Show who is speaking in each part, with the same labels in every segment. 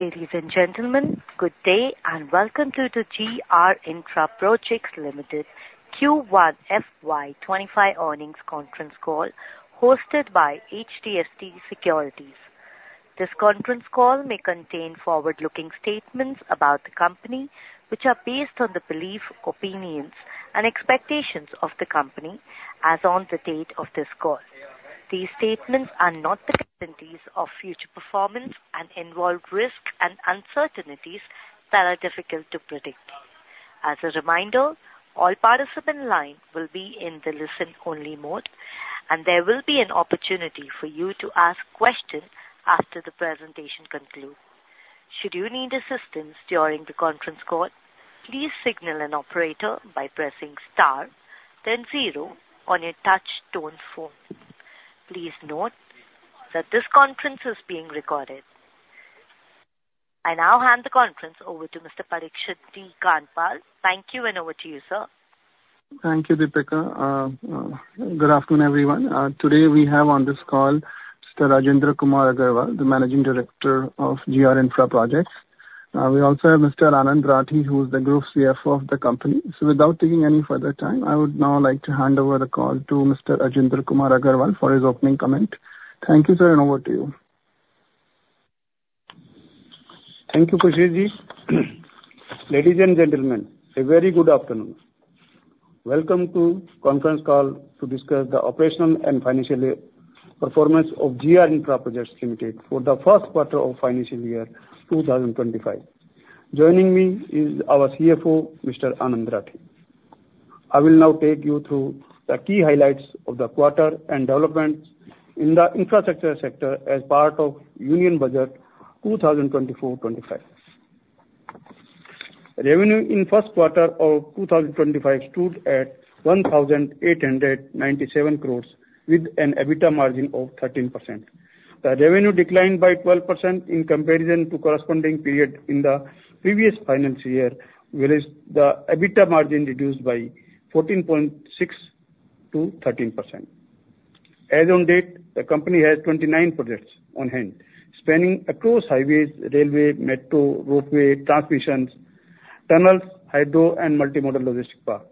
Speaker 1: Ladies and gentlemen, good day, and welcome to the G R Infraprojects Limited Q1 FY25 earnings conference call, hosted by HDFC Securities. This conference call may contain forward-looking statements about the company, which are based on the belief, opinions, and expectations of the company as on the date of this call. These statements are not the guarantees of future performance and involve risks and uncertainties that are difficult to predict. As a reminder, all participant lines will be in the listen-only mode, and there will be an opportunity for you to ask questions after the presentation concludes. Should you need assistance during the conference call, please signal an operator by pressing star then zero on your touch tone phone. Please note that this conference is being recorded. I now hand the conference over to Mr. Parikshit D. Kandpal. Thank you, and over to you, sir.
Speaker 2: Thank you, Deepika. Good afternoon, everyone. Today we have on this call Mr. Rajendra Kumar Agarwal, the Managing Director of GR Infraprojects. We also have Mr. Anand Rathi, who is the Group CFO of the company. Without taking any further time, I would now like to hand over the call to Mr. Rajendra Kumar Agarwal for his opening comment. Thank you, sir, and over to you.
Speaker 3: Thank you, Parikshit Ji. Ladies and gentlemen, a very good afternoon. Welcome to conference call to discuss the operational and financial performance of GR Infraprojects Limited for the first quarter of financial year 2025. Joining me is our CFO, Mr. Anand Rathi. I will now take you through the key highlights of the quarter and developments in the infrastructure sector as part of Union Budget 2024-25. Revenue in first quarter of 2025 stood at 1,897 crore, with an EBITDA margin of 13%. The revenue declined by 12% in comparison to corresponding period in the previous financial year, whereas the EBITDA margin reduced by 14.6 to 13%. As on date, the company has 29 projects on hand, spanning across highways, railway, metro, roadway, transmissions, tunnels, hydro, and multimodal logistic park.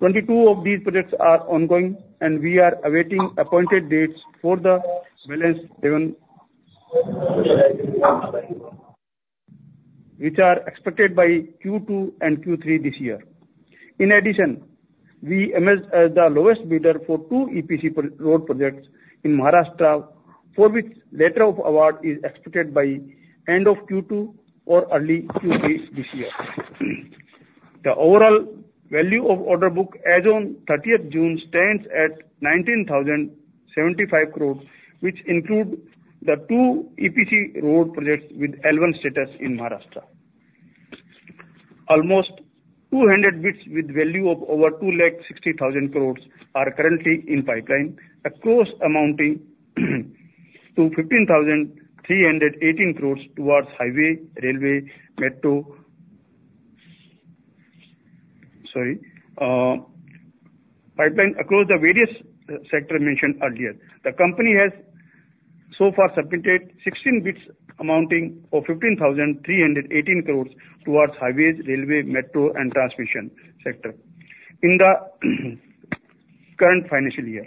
Speaker 3: 22 of these projects are ongoing, and we are awaiting appointed dates for the balance 7, which are expected by Q2 and Q3 this year. In addition, we emerged as the lowest bidder for 2 EPC road projects in Maharashtra, for which letter of award is expected by end of Q2 or early Q3 this year. The overall value of order book as on thirtieth June stands at 19,075 crore, which include the 2 EPC road projects with L1 status in Maharashtra. Almost 200 bids with value of over 260,000 crore are currently in pipeline, across amounting to 15,318 crore towards highway, railway, metro. Pipeline across the various sector mentioned earlier. The company has so far submitted 16 bids amounting to 15,318 crore towards highways, railway, metro, and transmission sector in the current financial year.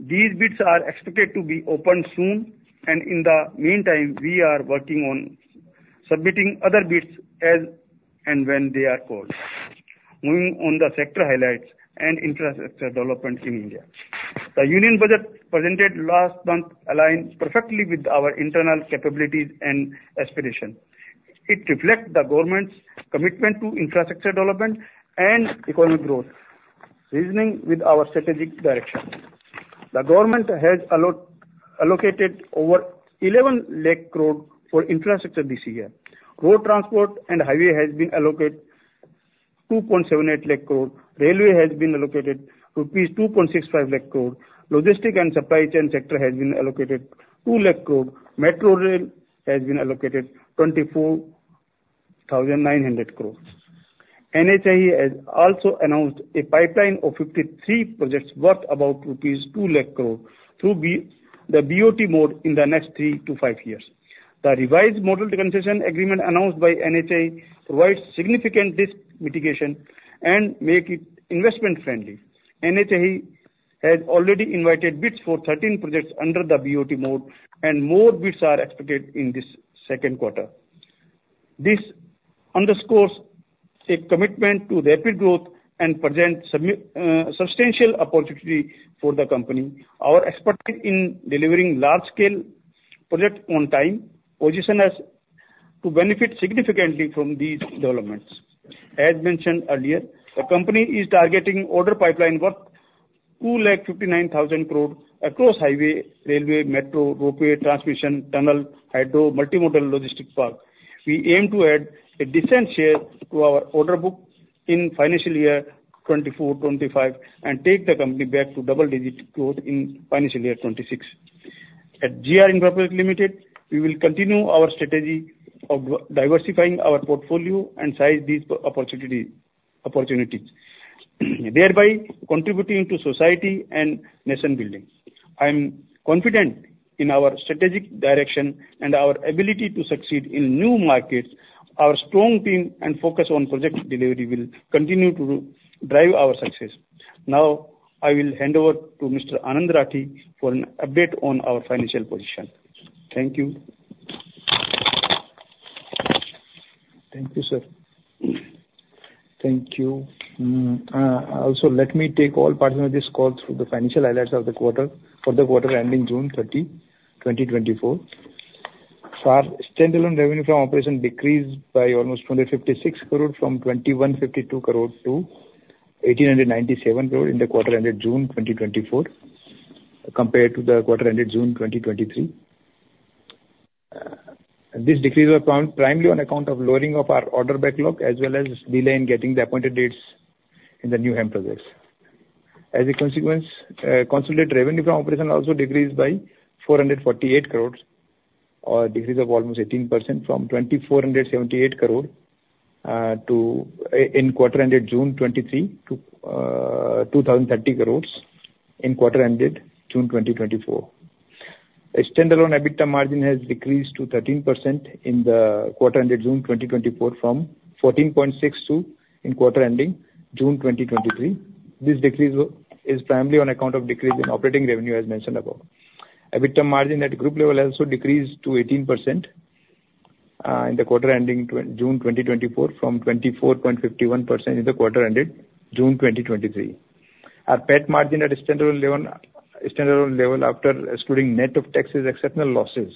Speaker 3: These bids are expected to be open soon, and in the meantime, we are working on submitting other bids as and when they are called. Moving on to the sector highlights and infrastructure development in India. The Union Budget presented last month aligns perfectly with our internal capabilities and aspiration. It reflects the government's commitment to infrastructure development and economic growth, resonating with our strategic direction. The government has allocated over 1,100,000 crore for infrastructure this year. Road transport and highway has been allocated 278,000 crore. Railway has been allocated rupees 265,000 crore. Logistics and supply chain sector has been allocated 200,000 crore. Metro rail has been allocated 24,900 crore. NHAI has also announced a pipeline of 53 projects worth about INR 200,000 crore through the BOT mode in the next 3-5 years. The revised model concession agreement announced by NHAI provides significant risk mitigation and makes it investment friendly. NHAI has already invited bids for 13 projects under the BOT mode, and more bids are expected in this second quarter. This underscores a commitment to the rapid growth and presents substantial opportunity for the company. Our expertise in delivering large-scale projects on time positions us to benefit significantly from these developments. As mentioned earlier, the company is targeting order pipeline worth 259,000 crore across highway, railway, metro, roadway, transmission, tunnel, hydro, multimodal logistic park. We aim to add a decent share to our order book in financial year 2024, 2025, and take the company back to double-digit growth in financial year 2026. At GR Infraprojects Limited, we will continue our strategy of diversifying our portfolio and seize these opportunities, thereby contributing to society and nation building. I am confident in our strategic direction and our ability to succeed in new markets. Our strong team and focus on project delivery will continue to drive our success. Now, I will hand over to Mr. Anand Rathi for an update on our financial position. Thank you.
Speaker 4: Thank you, sir. Thank you. Also, let me take all partners on this call through the financial highlights of the quarter, for the quarter ending June 30, 2024. So our standalone revenue from operation decreased by almost 156 crore, from 2,152 crore to 1,897 crore in the quarter ended June 2024, compared to the quarter ended June 2023. This decrease was found primarily on account of lowering of our order backlog, as well as delay in getting the appointed dates in the new HAM projects. As a consequence, consolidated revenue from operation also decreased by 448 crore, or a decrease of almost 18% from 2,478 crore in quarter ended June 2023 to 2,030 crore in quarter ended June 2024. A standalone EBITDA margin has decreased to 13% in the quarter ended June 2024, from 14.62% in quarter ending June 2023. This decrease is primarily on account of decrease in operating revenue, as mentioned above. EBITDA margin at group level also decreased to 18% in the quarter ending June 2024, from 24.51% in the quarter ended June 2023. Our PAT margin at a standalone level, after excluding net of taxes, exceptional losses,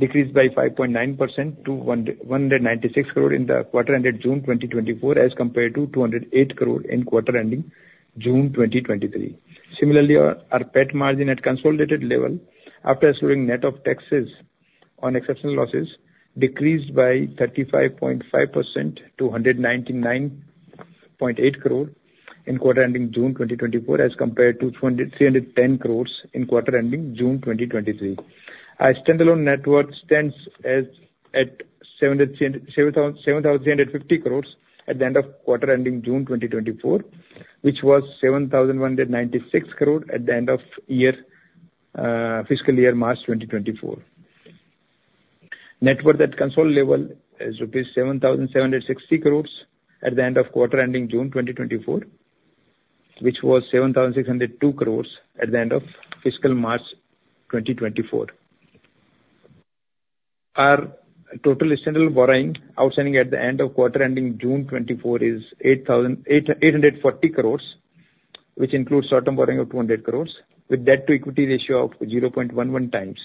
Speaker 4: decreased by 5.9% to 196 crore in the quarter ended June 2024, as compared to 208 crore in quarter ending June 2023. Similarly, our PAT margin at consolidated level, after assuming net of taxes on exceptional losses, decreased by 35.5% to 199.8 crore in quarter ending June 2024, as compared to 2,310 crores in quarter ending June 2023. Our standalone net worth stands at 7,350 crores at the end of quarter ending June 2024, which was 7,196 crore at the end of fiscal year March 2024. Net worth at consolidated level is rupees 7,760 crores at the end of quarter ending June 2024, which was 7,602 crores at the end of fiscal March 2024. Our total external borrowing, outstanding at the end of quarter ending June 2024, is 8,840 crores, which includes short-term borrowing of 200 crores, with debt-to-equity ratio of 0.11 times.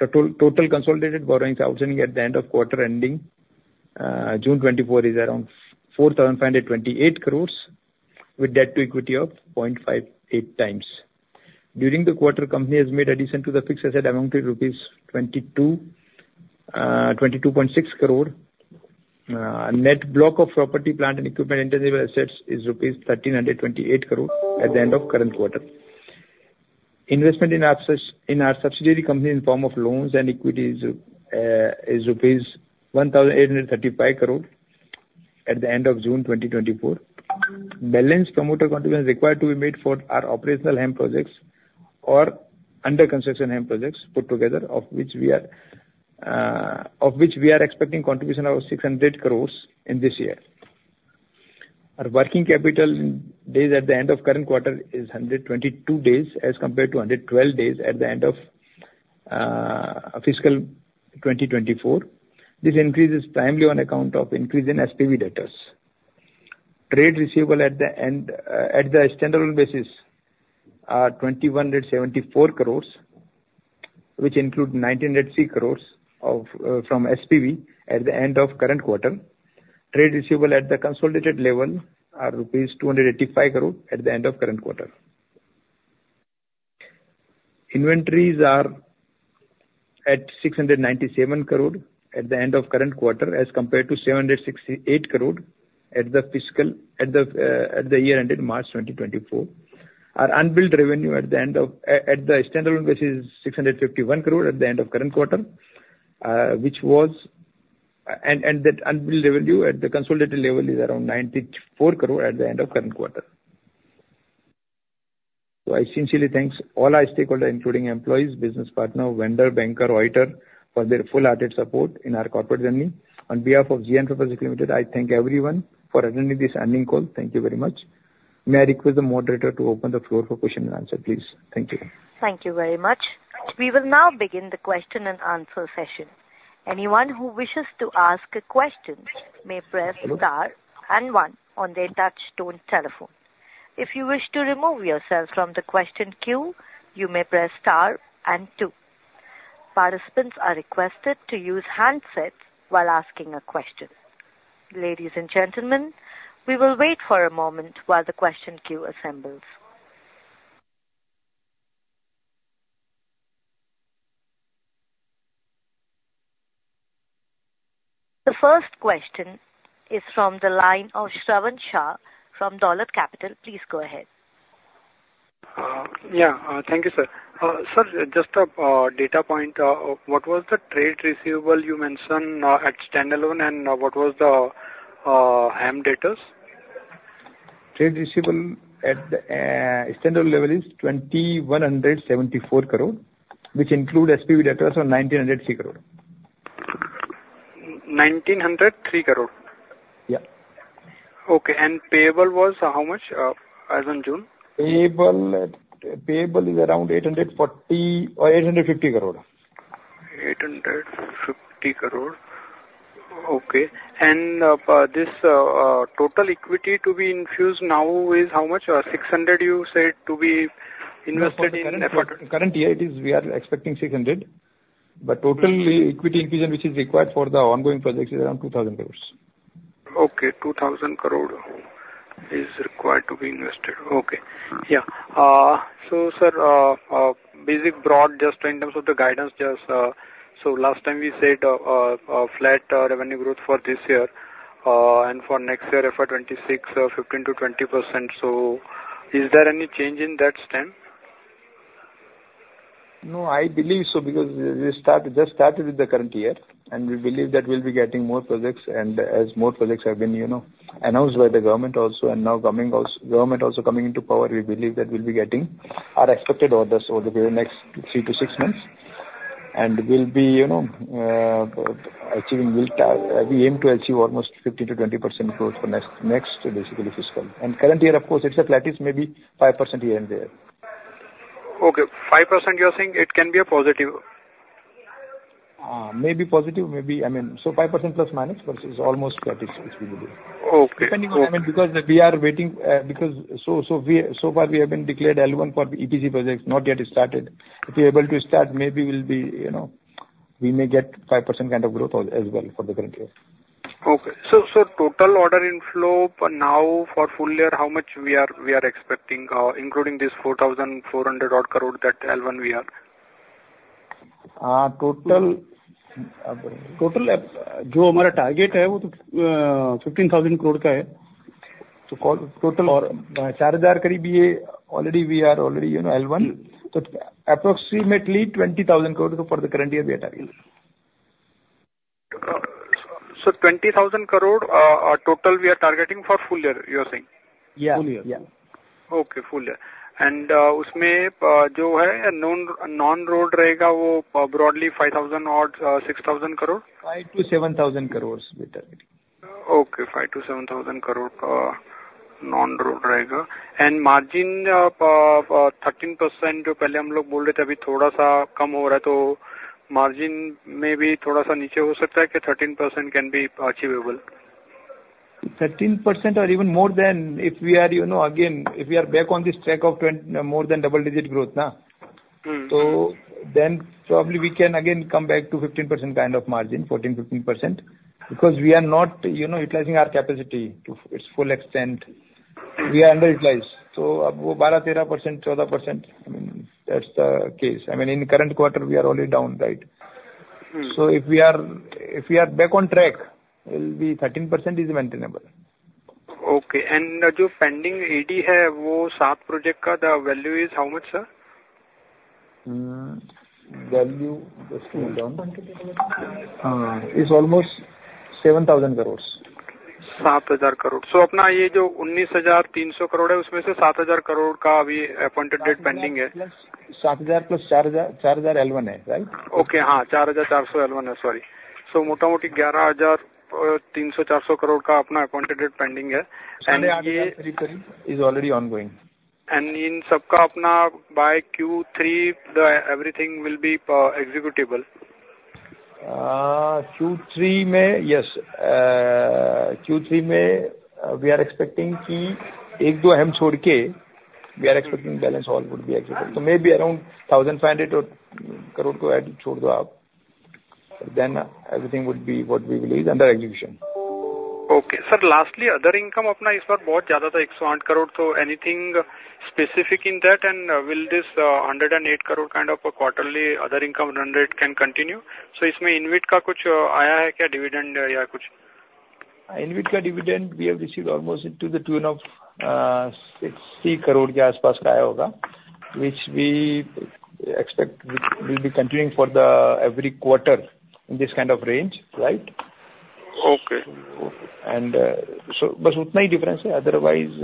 Speaker 4: Total consolidated borrowings outstanding at the end of quarter ending June 2024, is around 4,528 crores, with debt to equity of 0.58 times. During the quarter, company has made addition to the fixed asset amounted 22.6 crore. Net block of property, plant and equipment and tangible assets is rupees 1,328 crore at the end of current quarter. Investment in our subsidiary company, in form of loans and equities, is rupees 1,835 crore at the end of June 2024. Balance promoter contribution required to be made for our operational HAM projects or under construction HAM projects put together, of which we are expecting contribution of 600 crore in this year. Our working capital days at the end of current quarter is 122 days, as compared to 112 days at the end of fiscal 2024. This increase is primarily on account of increase in SPV debtors. Trade receivable at the end at the standalone basis are 2,174 crore, which include 1,903 crore of from SPV at the end of current quarter. Trade receivable at the consolidated level are rupees 285 crore at the end of current quarter. Inventories are at 697 crore at the end of current quarter, as compared to 768 crore at the fiscal, at the, at the year ended March 2024. Our unbilled revenue at the end of, at the standalone basis, is 651 crore at the end of current quarter, which was... and, and that unbilled revenue at the consolidated level is around 94 crore at the end of current quarter. So I sincerely thanks all our stakeholder, including employees, business partner, vendor, banker, auditor, for their full-hearted support in our corporate journey. On behalf of GR Infraprojects Limited, I thank everyone for attending this earnings call. Thank you very much. May I request the moderator to open the floor for question and answer, please? Thank you.
Speaker 1: Thank you very much. We will now begin the question and answer session. Anyone who wishes to ask a question may press star and one on their touch tone telephone. If you wish to remove yourself from the question queue, you may press star and two. Participants are requested to use handsets while asking a question. Ladies and gentlemen, we will wait for a moment while the question queue assembles. The first question is from the line of Shravan Shah from Dolat Capital. Please go ahead....
Speaker 5: Yeah. Thank you, sir. Sir, just a data point, what was the trade receivable you mentioned at standalone, and what was the HAM debtors?
Speaker 4: Trade receivable at the standalone level is 2,174 crore, which include SPV debtors of 1,903 crore.
Speaker 5: 1,903 crore?
Speaker 4: Yeah.
Speaker 5: Okay, and payable was how much, as on June?
Speaker 4: Payables is around 840 crore or 850 crore.
Speaker 5: 850 crore. Okay. And, this total equity to be infused now is how much? 600 you said to be invested in EPC.
Speaker 4: Currently, it is, we are expecting 600 crore, but total equity infusion which is required for the ongoing projects is around 2,000 crore.
Speaker 5: Okay, 2,000 crore is required to be invested. Okay. Yeah. So sir, basic broad, just in terms of the guidance, just, so last time you said, flat revenue growth for this year, and for next year, FY 2026, 15%-20%. So is there any change in that stand?
Speaker 4: No, I believe so, because we just started with the current year, and we believe that we'll be getting more projects, and as more projects have been, you know, announced by the government also, and now coming also—government also coming into power, we believe that we'll be getting our expected orders over the next 3-6 months. And we'll be, you know, achieving, we'll, we aim to achieve almost 15%-20% growth for next basically fiscal. And current year, of course, it's a flat, is maybe 5% here and there.
Speaker 5: Okay, 5% you are saying it can be a positive?
Speaker 4: Maybe positive, maybe. I mean, so 5% plus minus, but it's almost flat is what we do.
Speaker 5: Okay.
Speaker 4: Depending on when, because we are waiting, so far we have been declared L1 for the EPC projects, not yet started. If we are able to start, maybe we'll be, you know, we may get 5% kind of growth as well for the current year.
Speaker 5: Okay. So total order inflow for now, for full year, how much we are, we are expecting, including this 4,400 odd crore that L1 we are?
Speaker 4: Total target hai, woh toh, INR 15,000 crore ka hai. So total order 4,000 crore bhi ye, already we are, you know, L1. So approximately 20,000 crore rupees for the current year we are targeting.
Speaker 5: So, 20,000 crore total we are targeting for full year, you are saying?
Speaker 4: Yeah.
Speaker 5: Full year.
Speaker 4: Yeah.
Speaker 5: Okay, full year. And, usme, jo hai, known, non-road rahega, woh broadly 5,000 crore or 6,000 crore?
Speaker 4: 5,000 crore-7,000 crore we are targeting.
Speaker 5: Okay, 5,000-7,000 crore non-road rahega. And margin 13%, jo pehle hum log bol rahe the, abhi thoda sa kam ho raha hai, toh margin mein bhi thoda sa niche ho sakta hai, ke 13% can be achievable?
Speaker 4: 13% or even more than if we are, you know, again, if we are back on this track of more than double-digit growth now.
Speaker 5: Mm.
Speaker 4: So then probably we can again come back to 15% kind of margin, 14, 15%, because we are not, you know, utilizing our capacity to its full extent. We are underutilized. So, ab woh 12, 13 percent, 14 percent, I mean, that's the case. I mean, in current quarter, we are only down, right?
Speaker 5: Mm.
Speaker 4: So if we are, if we are back on track, we'll be 13% is maintainable.
Speaker 5: Okay. And the pending AD hai, woh 7 project ka, the value is how much, sir?
Speaker 4: Just hold on. It's almost INR 7,000 crore.
Speaker 5: INR 7,000 crore. So apna ye jo INR 19,300 crore hai, usme se INR 7,000 crore ka abhi appointed date pending hai.
Speaker 4: 7,000 + 4,000, 4,000 L1 hai, right?
Speaker 5: Okay, haan, 4,000, 400 L1 hai, sorry. So mota moti 11,000, 300, 400 crore ka apna Appointed Date pending hai.
Speaker 4: INR 4,000 crore is already ongoing.
Speaker 5: In sabka apna by Q3, the everything will be executable.
Speaker 4: Q3 mein, yes. Q3 mein, we are expecting ki ek do HAM chhod ke, we are expecting balance all would be executed. So maybe around INR 1,500 crore ko chhod do aap, then everything would be what we believe under execution.
Speaker 5: Okay. Sir, lastly, other income apna is baar bahut jyada tha, 108 crore, so anything specific in that? And will this hundred and eight crore kind of a quarterly other income run rate continue? So isme InvIT ka kuch aaya hai kya, dividend ya kuch?
Speaker 4: InvIT ka dividend, we have received almost into the tune of INR 60 crore ke aspas aaya hoga, which we expect will be continuing for the every quarter in this kind of range, right?
Speaker 5: Okay.
Speaker 4: So bas utna hi difference hai. Otherwise,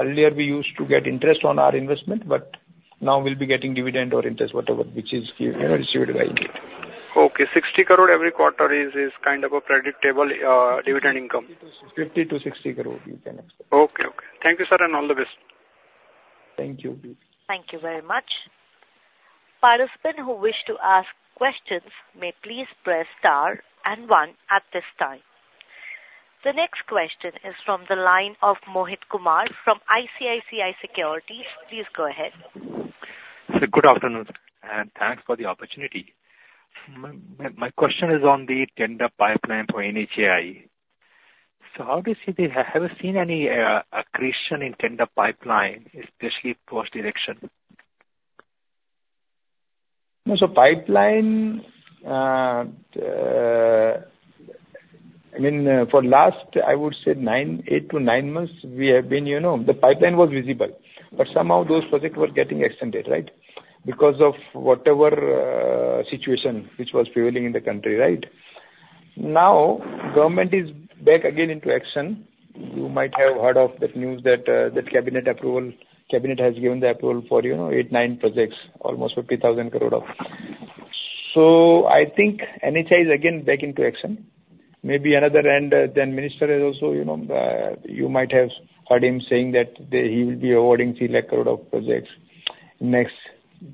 Speaker 4: earlier we used to get interest on our investment, but now we'll be getting dividend or interest, whatever, which is, you know, received by InvIT.
Speaker 5: Okay. 60 crore every quarter is, is kind of a predictable dividend income.
Speaker 4: 50 crore-INR 60 crore, you can expect.
Speaker 5: Okay, okay. Thank you, sir, and all the best.
Speaker 4: Thank you.
Speaker 1: Thank you very much. Participants who wish to ask questions may please press star and one at this time. The next question is from the line of Mohit Kumar from ICICI Securities. Please go ahead.
Speaker 6: Sir, good afternoon, and thanks for the opportunity. My question is on the tender pipeline for NHAI. So how do you see the... Have you seen any accretion in tender pipeline, especially post-election?...
Speaker 4: No, so pipeline, I mean, for last, I would say 8-9 months, we have been, you know, the pipeline was visible, but somehow those projects were getting extended, right? Because of whatever situation which was prevailing in the country, right? Now, government is back again into action. You might have heard of that news that, that cabinet approval, cabinet has given the approval for, you know, 8-9 projects, almost 50,000 crore of. So I think NHAI is again back into action. Maybe another end, then minister is also, you know, you might have heard him saying that the, he will be awarding 300,000 crore of projects next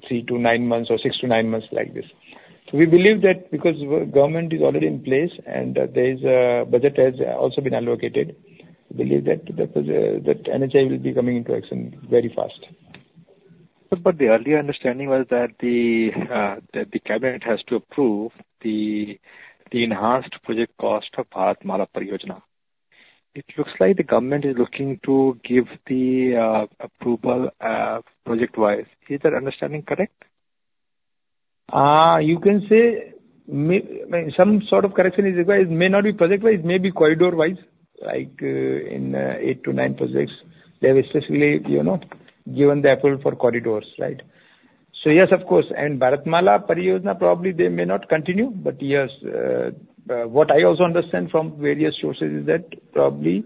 Speaker 4: 3-9 months or 6-9 months like this. We believe that because government is already in place and there is a budget has also been allocated, we believe that the that NHAI will be coming into action very fast.
Speaker 6: The earlier understanding was that the cabinet has to approve the enhanced project cost of Bharatmala Pariyojana. It looks like the government is looking to give the approval project-wise. Is that understanding correct?
Speaker 4: You can say may, I mean, some sort of correction is required. It may not be project-wise, it may be corridor-wise, like, in 8-9 projects. They have especially, you know, given the approval for corridors, right? So yes, of course, and Bharatmala Pariyojana, probably they may not continue, but yes, what I also understand from various sources is that probably,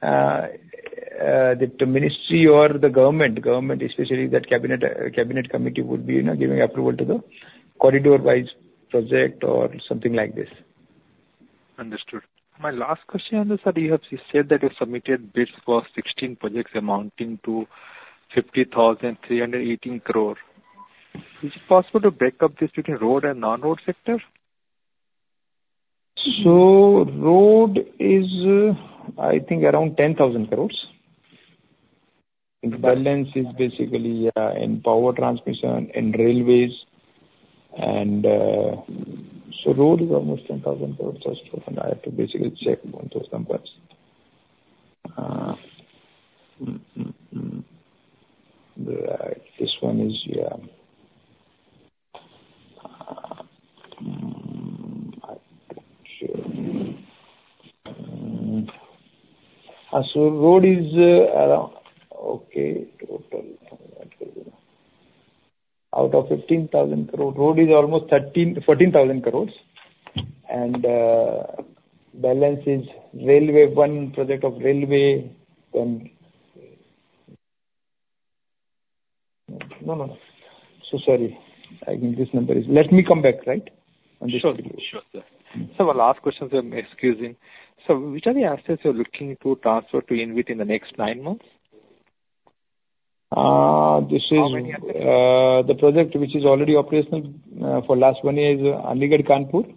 Speaker 4: the, the ministry or the government, government especially, that cabinet, cabinet committee would be, you know, giving approval to the corridor-wise project or something like this.
Speaker 6: Understood. My last question on this, sir, you have said that you submitted bids for 16 projects amounting to 50,318 crore. Is it possible to break up this between road and non-road sector?
Speaker 4: So road is, I think around 10,000 crore. The balance is basically in power transmission, in railways, and so road is almost INR 10,000 crore. So I have to basically check one, two, some parts. Actually. So road is around... Okay, total. Out of 15,000 crore, road is almost 13,000-14,000 crore. And balance is railway, one project of railway, then... No, no. So sorry, I think this number is. Let me come back, right?
Speaker 6: Sure. Sure, sir. Sir, one last question, sir, excuse me. Sir, which are the assets you're looking to transfer to InvIT in the next nine months?
Speaker 4: This is-
Speaker 6: How many assets?
Speaker 4: The project which is already operational, for last one year is Aligarh-Kanpur.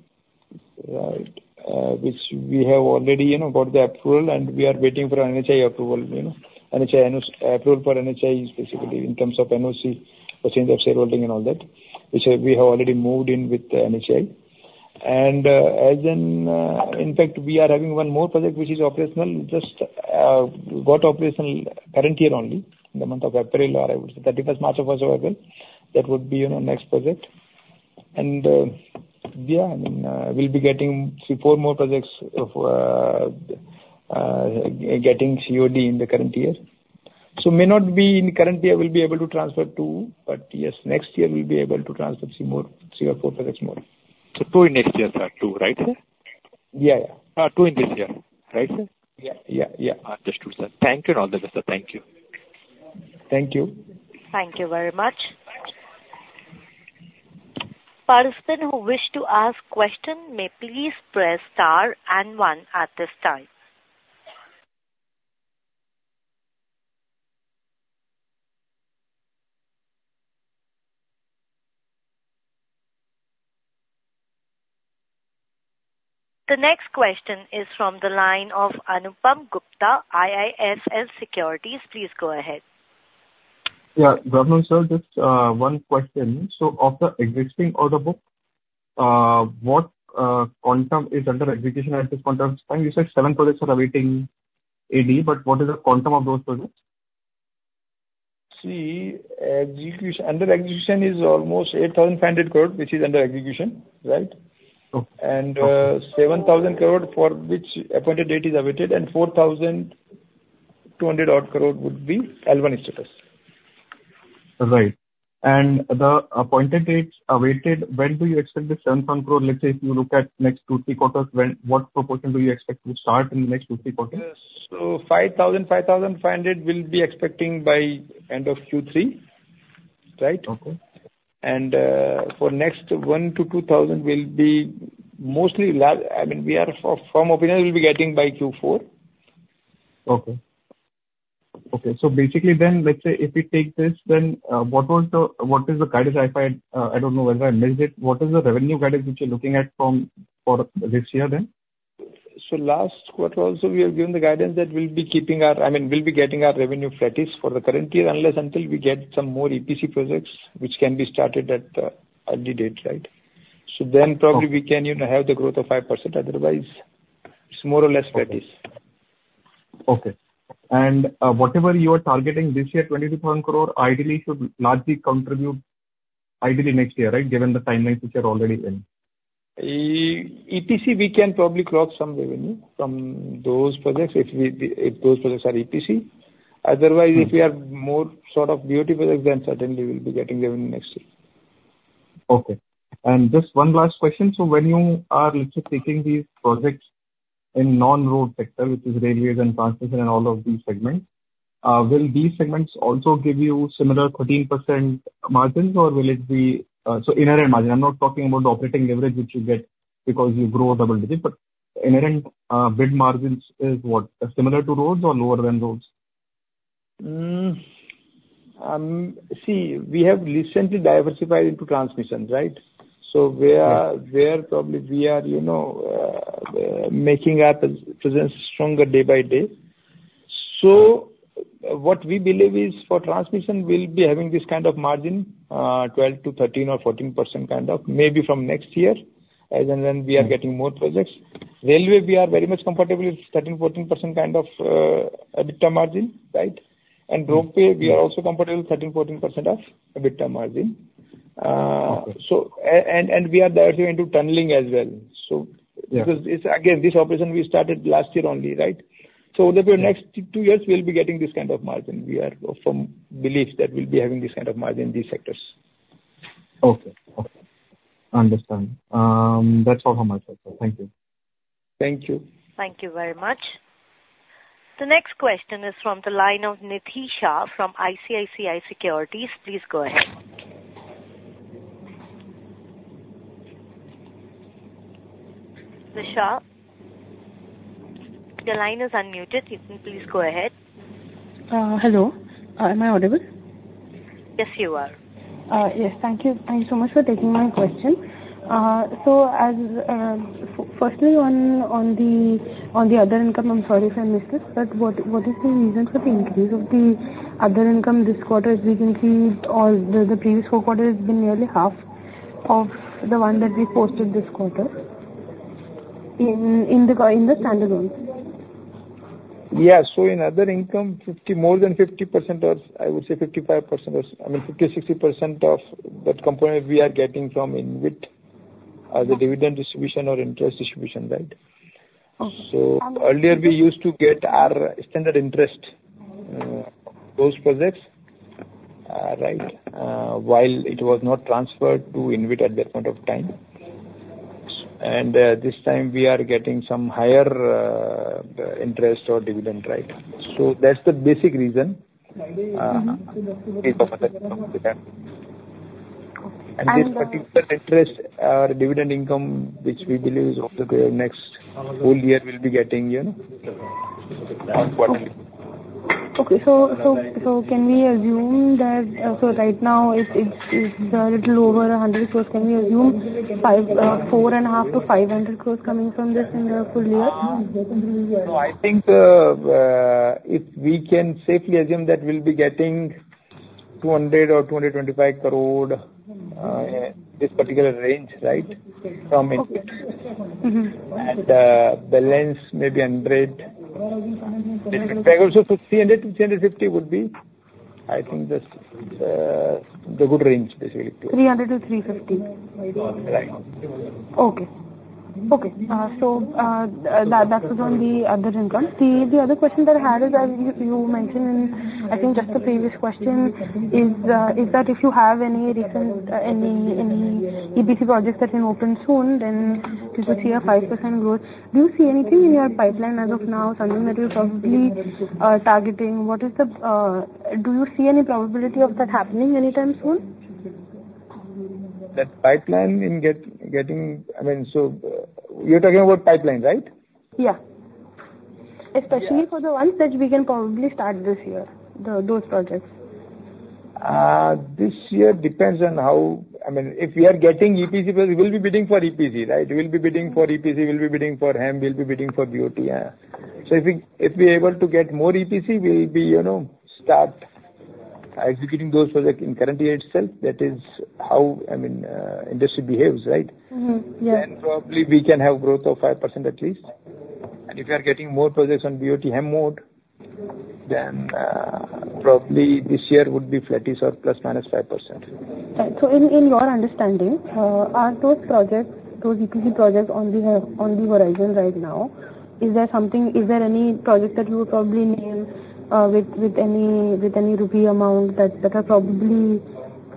Speaker 4: Which we have already, you know, got the approval, and we are waiting for NHAI approval, you know. NHAI approval for NHAI is basically in terms of NOC, for change of shareholding and all that. Which, we have already moved in with NHAI. And, as in, in fact, we are having one more project which is operational, just, got operational current year only, in the month of April, or I would say 31st March or whatsoever. That would be, you know, next project. And, yeah, I mean, we'll be getting 3-4 more projects of, getting COD in the current year. So, may not be in the current year, we'll be able to transfer 2, but yes, next year we'll be able to transfer 3 more, 3 or 4 projects more.
Speaker 6: 2 in next year, sir. 2, right, sir?
Speaker 4: Yeah, yeah.
Speaker 6: 2 in this year, right, sir?
Speaker 4: Yeah, yeah, yeah.
Speaker 6: Understood, sir. Thank you and all the best, sir. Thank you.
Speaker 4: Thank you.
Speaker 1: Thank you very much. Parties who wish to ask question may please press Star and One at this time. The next question is from the line of Anupam Gupta, IIFL Securities. Please go ahead.
Speaker 7: Yeah, Vinay sir, just one question. So of the existing order book, what quantum is under execution at this point of time? You said seven projects are awaiting AD, but what is the quantum of those projects?
Speaker 4: See, execution under execution is almost 8,500 crore, which is under execution, right?
Speaker 7: Okay.
Speaker 4: 7,000 crore for which Appointed Date is awaited, and 4,200-odd crore would be L1 status.
Speaker 7: Right. The appointed dates awaited, when do you expect the 7,000 crore, let's say, if you look at next two, three quarters, when, what proportion do you expect to start in the next two, three quarters?
Speaker 4: So 5,000, 5,500 we'll be expecting by end of Q3, right?
Speaker 7: Okay.
Speaker 4: For next 1-2,000 will be mostly large, I mean, we are of firm opinion we'll be getting by Q4.
Speaker 7: Okay. Okay, so basically then, let's say if we take this, then, what was the, what is the guidance, if I, I don't know whether I missed it, what is the revenue guidance which you're looking at from, for this year then?
Speaker 4: So last quarter also, we have given the guidance that we'll be keeping our... I mean, we'll be getting our revenue flattish for the current year, unless until we get some more EPC projects, which can be started at a early date, right? So then probably-
Speaker 7: Okay.
Speaker 4: we can, you know, have the growth of 5%. Otherwise, it's more or less flattish....
Speaker 7: Okay. And, whatever you are targeting this year, 22,000 crore, ideally should largely contribute ideally next year, right? Given the timeline which you're already in.
Speaker 4: EPC, we can probably cross some revenue from those projects if we, if those projects are EPC. Otherwise, if we have more sort of BOT projects, then certainly we'll be getting revenue next year.
Speaker 7: Okay. And just one last question: so when you are, let's say, taking these projects in non-road sector, which is railways and transmission and all of these segments, will these segments also give you similar 13% margins, or will it be -- so inherent margin, I'm not talking about the operating leverage which you get because you grow double digits, but inherent, bid margins is what? Similar to roads or lower than roads?
Speaker 4: See, we have recently diversified into transmission, right? So we are-
Speaker 7: Yeah.
Speaker 4: There probably we are, you know, making our presence stronger day by day. So what we believe is for transmission, we'll be having this kind of margin, 12%-13% or 14%, kind of, maybe from next year, as and when we are getting more projects. Railway, we are very much comfortable with 13%-14% kind of EBITDA margin, right?
Speaker 7: Mm-hmm.
Speaker 4: Roadway, we are also comfortable with 13%-14% of EBITDA margin.
Speaker 7: Okay.
Speaker 4: So, and we are diving into tunneling as well.
Speaker 7: Yeah.
Speaker 4: So because it's, again, this operation we started last year only, right? So within next two years, we'll be getting this kind of margin. We are of some belief that we'll be having this kind of margin in these sectors.
Speaker 7: Okay. Okay. Understand. That's all from my side, sir. Thank you.
Speaker 4: Thank you.
Speaker 1: Thank you very much. The next question is from the line of Nidhi Shah from ICICI Securities. Please go ahead. Nidhi Shah, your line is unmuted. You can please go ahead.
Speaker 8: Hello. Am I audible?
Speaker 1: Yes, you are.
Speaker 8: Yes. Thank you. Thank you so much for taking my question. So as, firstly, on the other income, I'm sorry if I missed this, but what is the reason for the increase of the other income this quarter, as we can see, all the previous four quarters been nearly half of the one that we posted this quarter, in the standalone?
Speaker 4: Yeah. So in other income, 50, more than 50% of, I would say 55% of, I mean, 50%-60% of that component we are getting from InvIT as a dividend distribution or interest distribution, right?
Speaker 8: Uh-huh.
Speaker 4: So earlier, we used to get our standard interest, those projects, right, while it was not transferred to InvIT at that point of time. And this time we are getting some higher interest or dividend, right? So that's the basic reason for that.
Speaker 8: Okay.
Speaker 4: This particular interest, our dividend income, which we believe is over the next full year, we'll be getting, you know, importantly.
Speaker 8: Okay. So can we assume that, so right now it's a little over 100 crore. Can we assume 450 crore-500 crore coming from this in the full year?
Speaker 4: No, I think, if we can safely assume that we'll be getting 200-225 crore, this particular range, right, from InvIT.
Speaker 8: Okay. Mm-hmm.
Speaker 4: The lens, maybe 100. So 300-350 would be, I think, that's the good range basically.
Speaker 8: 300-350.
Speaker 4: Right.
Speaker 8: Okay. Okay, so, that was on the other income. The other question that I had is, you mentioned, I think just the previous question, is that if you have any recent, any EPC projects that can open soon, then you could see a 5% growth. Do you see anything in your pipeline as of now, something that you're probably targeting? What is the... Do you see any probability of that happening anytime soon?
Speaker 4: That pipeline in getting, I mean, so, you're talking about pipeline, right?
Speaker 8: Yeah.
Speaker 4: Yeah.
Speaker 8: Especially for the ones that we can probably start this year, those projects.
Speaker 4: This year, depends on how... I mean, if we are getting EPC, we will be bidding for EPC, right? We'll be bidding for EPC, we'll be bidding for HAM, we'll be bidding for BOT. I think if we're able to get more EPC, we'll be, you know, start executing those projects in current year itself. That is how, I mean, industry behaves, right?
Speaker 8: Mm-hmm. Yeah.
Speaker 4: Probably we can have growth of 5% at least. If you are getting more projects on BOT, HAM mode, then probably this year would be flattish or ±5%.
Speaker 8: Right. So in your understanding, are those projects, those EPC projects on the horizon right now? Is there something, is there any project that you would probably name with any rupee amount that are probably,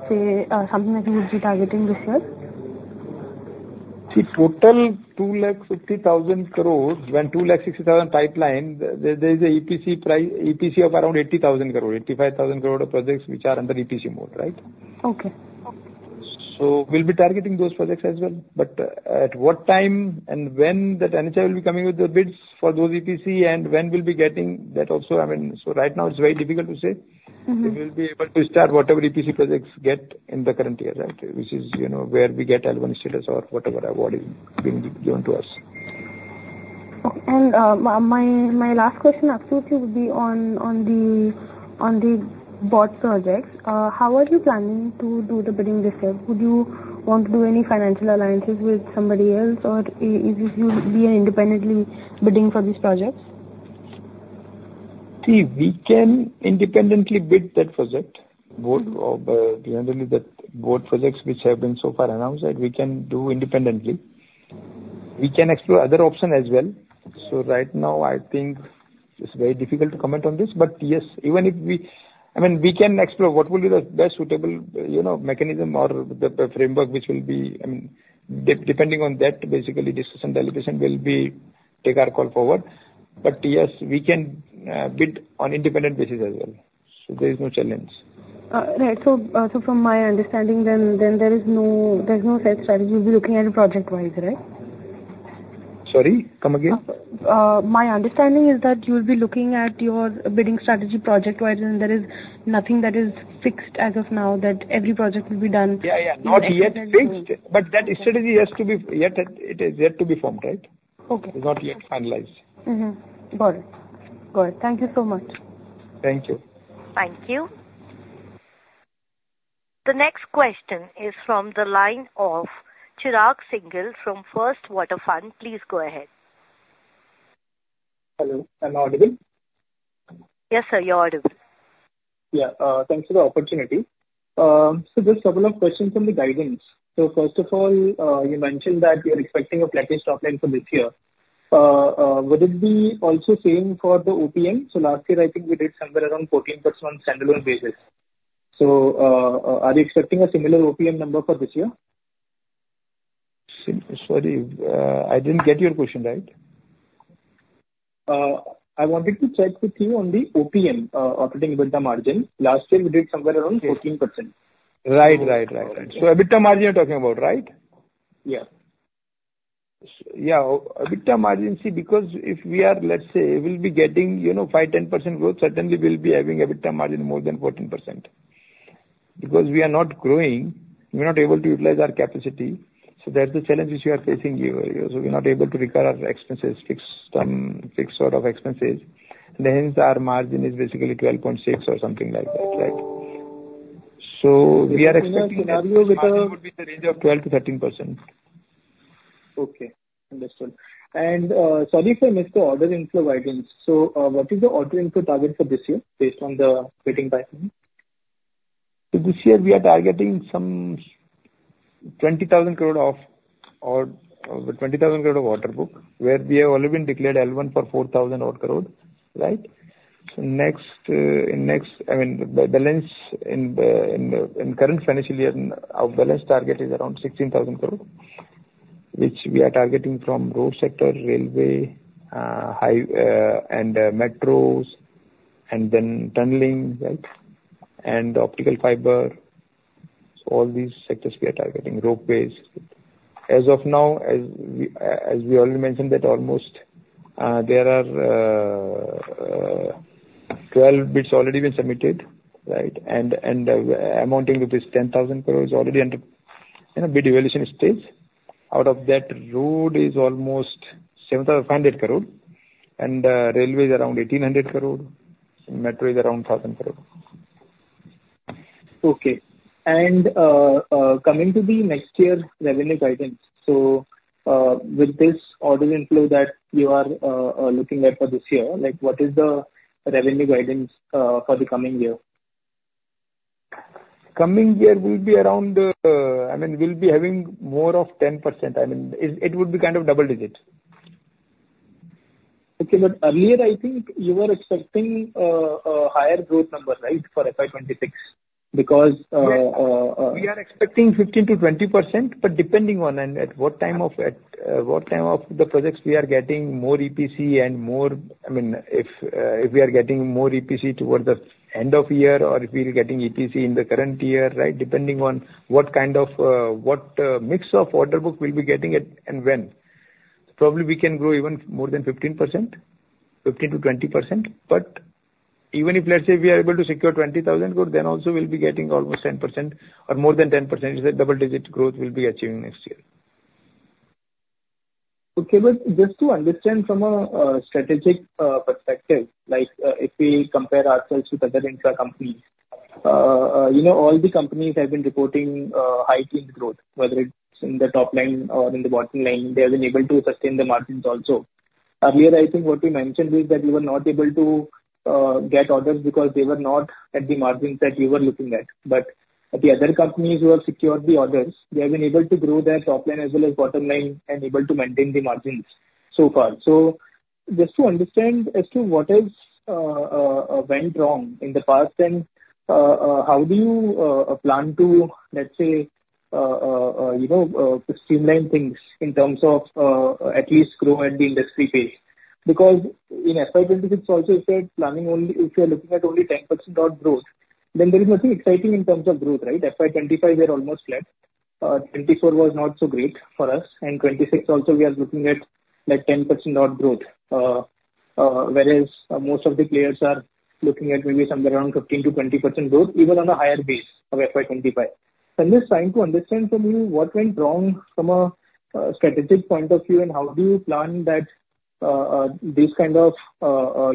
Speaker 8: say, something that you would be targeting this year?
Speaker 4: The total 250,000 crore, when 260,000 pipeline, there is a EPC pie, EPC of around 80,000 crore, 85,000 crore of projects which are under EPC mode, right?
Speaker 8: Okay. Okay.
Speaker 4: So we'll be targeting those projects as well. But, at what time and when that NHAI will be coming with the bids for those EPC and when we'll be getting that also, I mean, so right now it's very difficult to say.
Speaker 8: Mm-hmm.
Speaker 4: We will be able to start whatever EPC projects get in the current year, right? Which is, you know, where we get advance stages or whatever award is being given to us.
Speaker 8: Okay. And my last question actually would be on the BOT projects. How are you planning to do the bidding this year? Would you want to do any financial alliances with somebody else, or you'll be independently bidding for these projects?...
Speaker 4: See, we can independently bid that project, both of, generally, that both projects which have been so far announced, that we can do independently. We can explore other option as well. So right now, I think it's very difficult to comment on this, but yes, even if we-- I mean, we can explore what will be the best suitable, you know, mechanism or the framework which will be, depending on that, basically discussion, delegation will be take our call forward. But yes, we can bid on independent basis as well. So there is no challenge.
Speaker 8: Right. So, from my understanding, then there is no, there's no set strategy. You'll be looking at it project wise, right?
Speaker 4: Sorry, come again?
Speaker 8: My understanding is that you will be looking at your bidding strategy project-wise, and there is nothing that is fixed as of now that every project will be done.
Speaker 4: Yeah, yeah. Not yet fixed, but that strategy has to be yet, it is yet to be formed, right?
Speaker 8: Okay.
Speaker 4: Not yet finalized.
Speaker 8: Mm-hmm. Got it. Got it. Thank you so much.
Speaker 4: Thank you.
Speaker 1: Thank you. The next question is from the line of Chirag Singhal from First Water Capital. Please go ahead.
Speaker 9: Hello, am I audible?
Speaker 1: Yes, sir, you're audible.
Speaker 9: Yeah, thanks for the opportunity. So just couple of questions from the guidance. So first of all, you mentioned that you're expecting a flatish top line for this year. Would it be also same for the OPM? So last year, I think we did somewhere around 14% on standalone basis. So, are you expecting a similar OPM number for this year?
Speaker 4: Sorry, I didn't get your question, right.
Speaker 9: I wanted to check with you on the OPM, operating EBITDA margin. Last year, we did somewhere around 14%.
Speaker 4: Right, right, right. So EBITDA margin you're talking about, right?
Speaker 9: Yeah.
Speaker 4: Yeah, EBITDA margin, see, because if we are, let's say, we'll be getting, you know, 5%-10% growth, certainly we'll be having EBITDA margin more than 14%. Because we are not growing, we're not able to utilize our capacity, so that's the challenge which we are facing here. So we're not able to recover our expenses, fixed, fixed sort of expenses. Then our margin is basically 12.6 or something like that, right? So we are expecting-
Speaker 9: Scenario would be in the range of 12%-13%. Okay, understood. And, sorry if I missed the order inflow guidance. So, what is the order inflow target for this year based on the bidding pipeline?
Speaker 4: So this year we are targeting some 20,000 crore of, or 20,000 crore of order book, where we have already been declared L1 for 4,000 odd crore, right? So next, in next, I mean, the balance in the current financial year, our balance target is around 16,000 crore, which we are targeting from road sector, railway, high, and metros, and then tunneling, right, and optical fiber. So all these sectors we are targeting, ropeways. As of now, as we already mentioned, that almost, there are twelve bids already been submitted, right? And, amounting to this 10,000 crore is already under, in a bid evaluation stage. Out of that, road is almost 7,100 crore, and railway is around 1,800 crore, and metro is around 1,000 crore.
Speaker 9: Okay. And, coming to the next year revenue guidance. So, with this order inflow that you are looking at for this year, like, what is the revenue guidance for the coming year?
Speaker 4: Coming year will be around, I mean, we'll be having more of 10%. I mean, it would be kind of double digits.
Speaker 9: Okay. But earlier, I think you were expecting a higher growth number, right, for FY 2026, because-
Speaker 4: We are expecting 15%-20%, but depending on and at what time of, at, what time of the projects we are getting more EPC and more... I mean, if, if we are getting more EPC towards the end of year or if we're getting EPC in the current year, right? Depending on what kind of, what, mix of order book we'll be getting at and when. Probably we can grow even more than 15%, 15%-20%. But even if, let's say, we are able to secure 20,000 crore, then also we'll be getting almost 10% or more than 10%. It's a double-digit growth we'll be achieving next year.
Speaker 9: Okay. But just to understand from a strategic perspective, like, if we compare ourselves to other infra companies, you know, all the companies have been reporting high teen growth, whether it's in the top line or in the bottom line, they have been able to sustain the margins also. Earlier, I think what we mentioned is that you were not able to get orders because they were not at the margins that you were looking at. But the other companies who have secured the orders, they have been able to grow their top line as well as bottom line and able to maintain the margins so far. So just to understand as to what else went wrong in the past, and how do you plan to, let's say, you know, streamline things in terms of at least grow at the industry pace? Because in FY 2026 also, you said planning only, if you're looking at only 10% odd growth, then there is nothing exciting in terms of growth, right? FY 2025 were almost flat. 2024 was not so great for us, and 2026 also, we are looking at like 10% odd growth, whereas most of the players are looking at maybe somewhere around 15%-20% growth, even on a higher base of FY 2025. I'm just trying to understand from you what went wrong from a strategic point of view, and how do you plan that this kind of,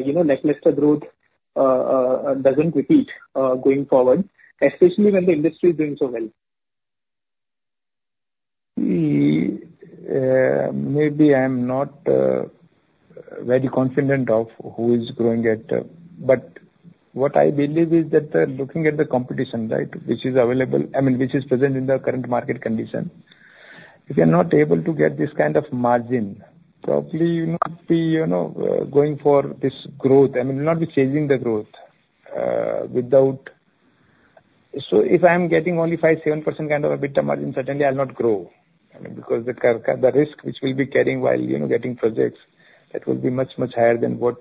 Speaker 9: you know, lackluster growth doesn't repeat going forward, especially when the industry is doing so well?...
Speaker 4: See, maybe I'm not very confident of who is growing at, but what I believe is that they're looking at the competition, right? Which is available, I mean, which is present in the current market condition. If you're not able to get this kind of margin, probably you not be, you know, going for this growth, I mean, not be chasing the growth, without... So if I'm getting only 5%-7% kind of EBITDA margin, certainly I'll not grow. I mean, because the risk which we'll be carrying while, you know, getting projects, that will be much, much higher than what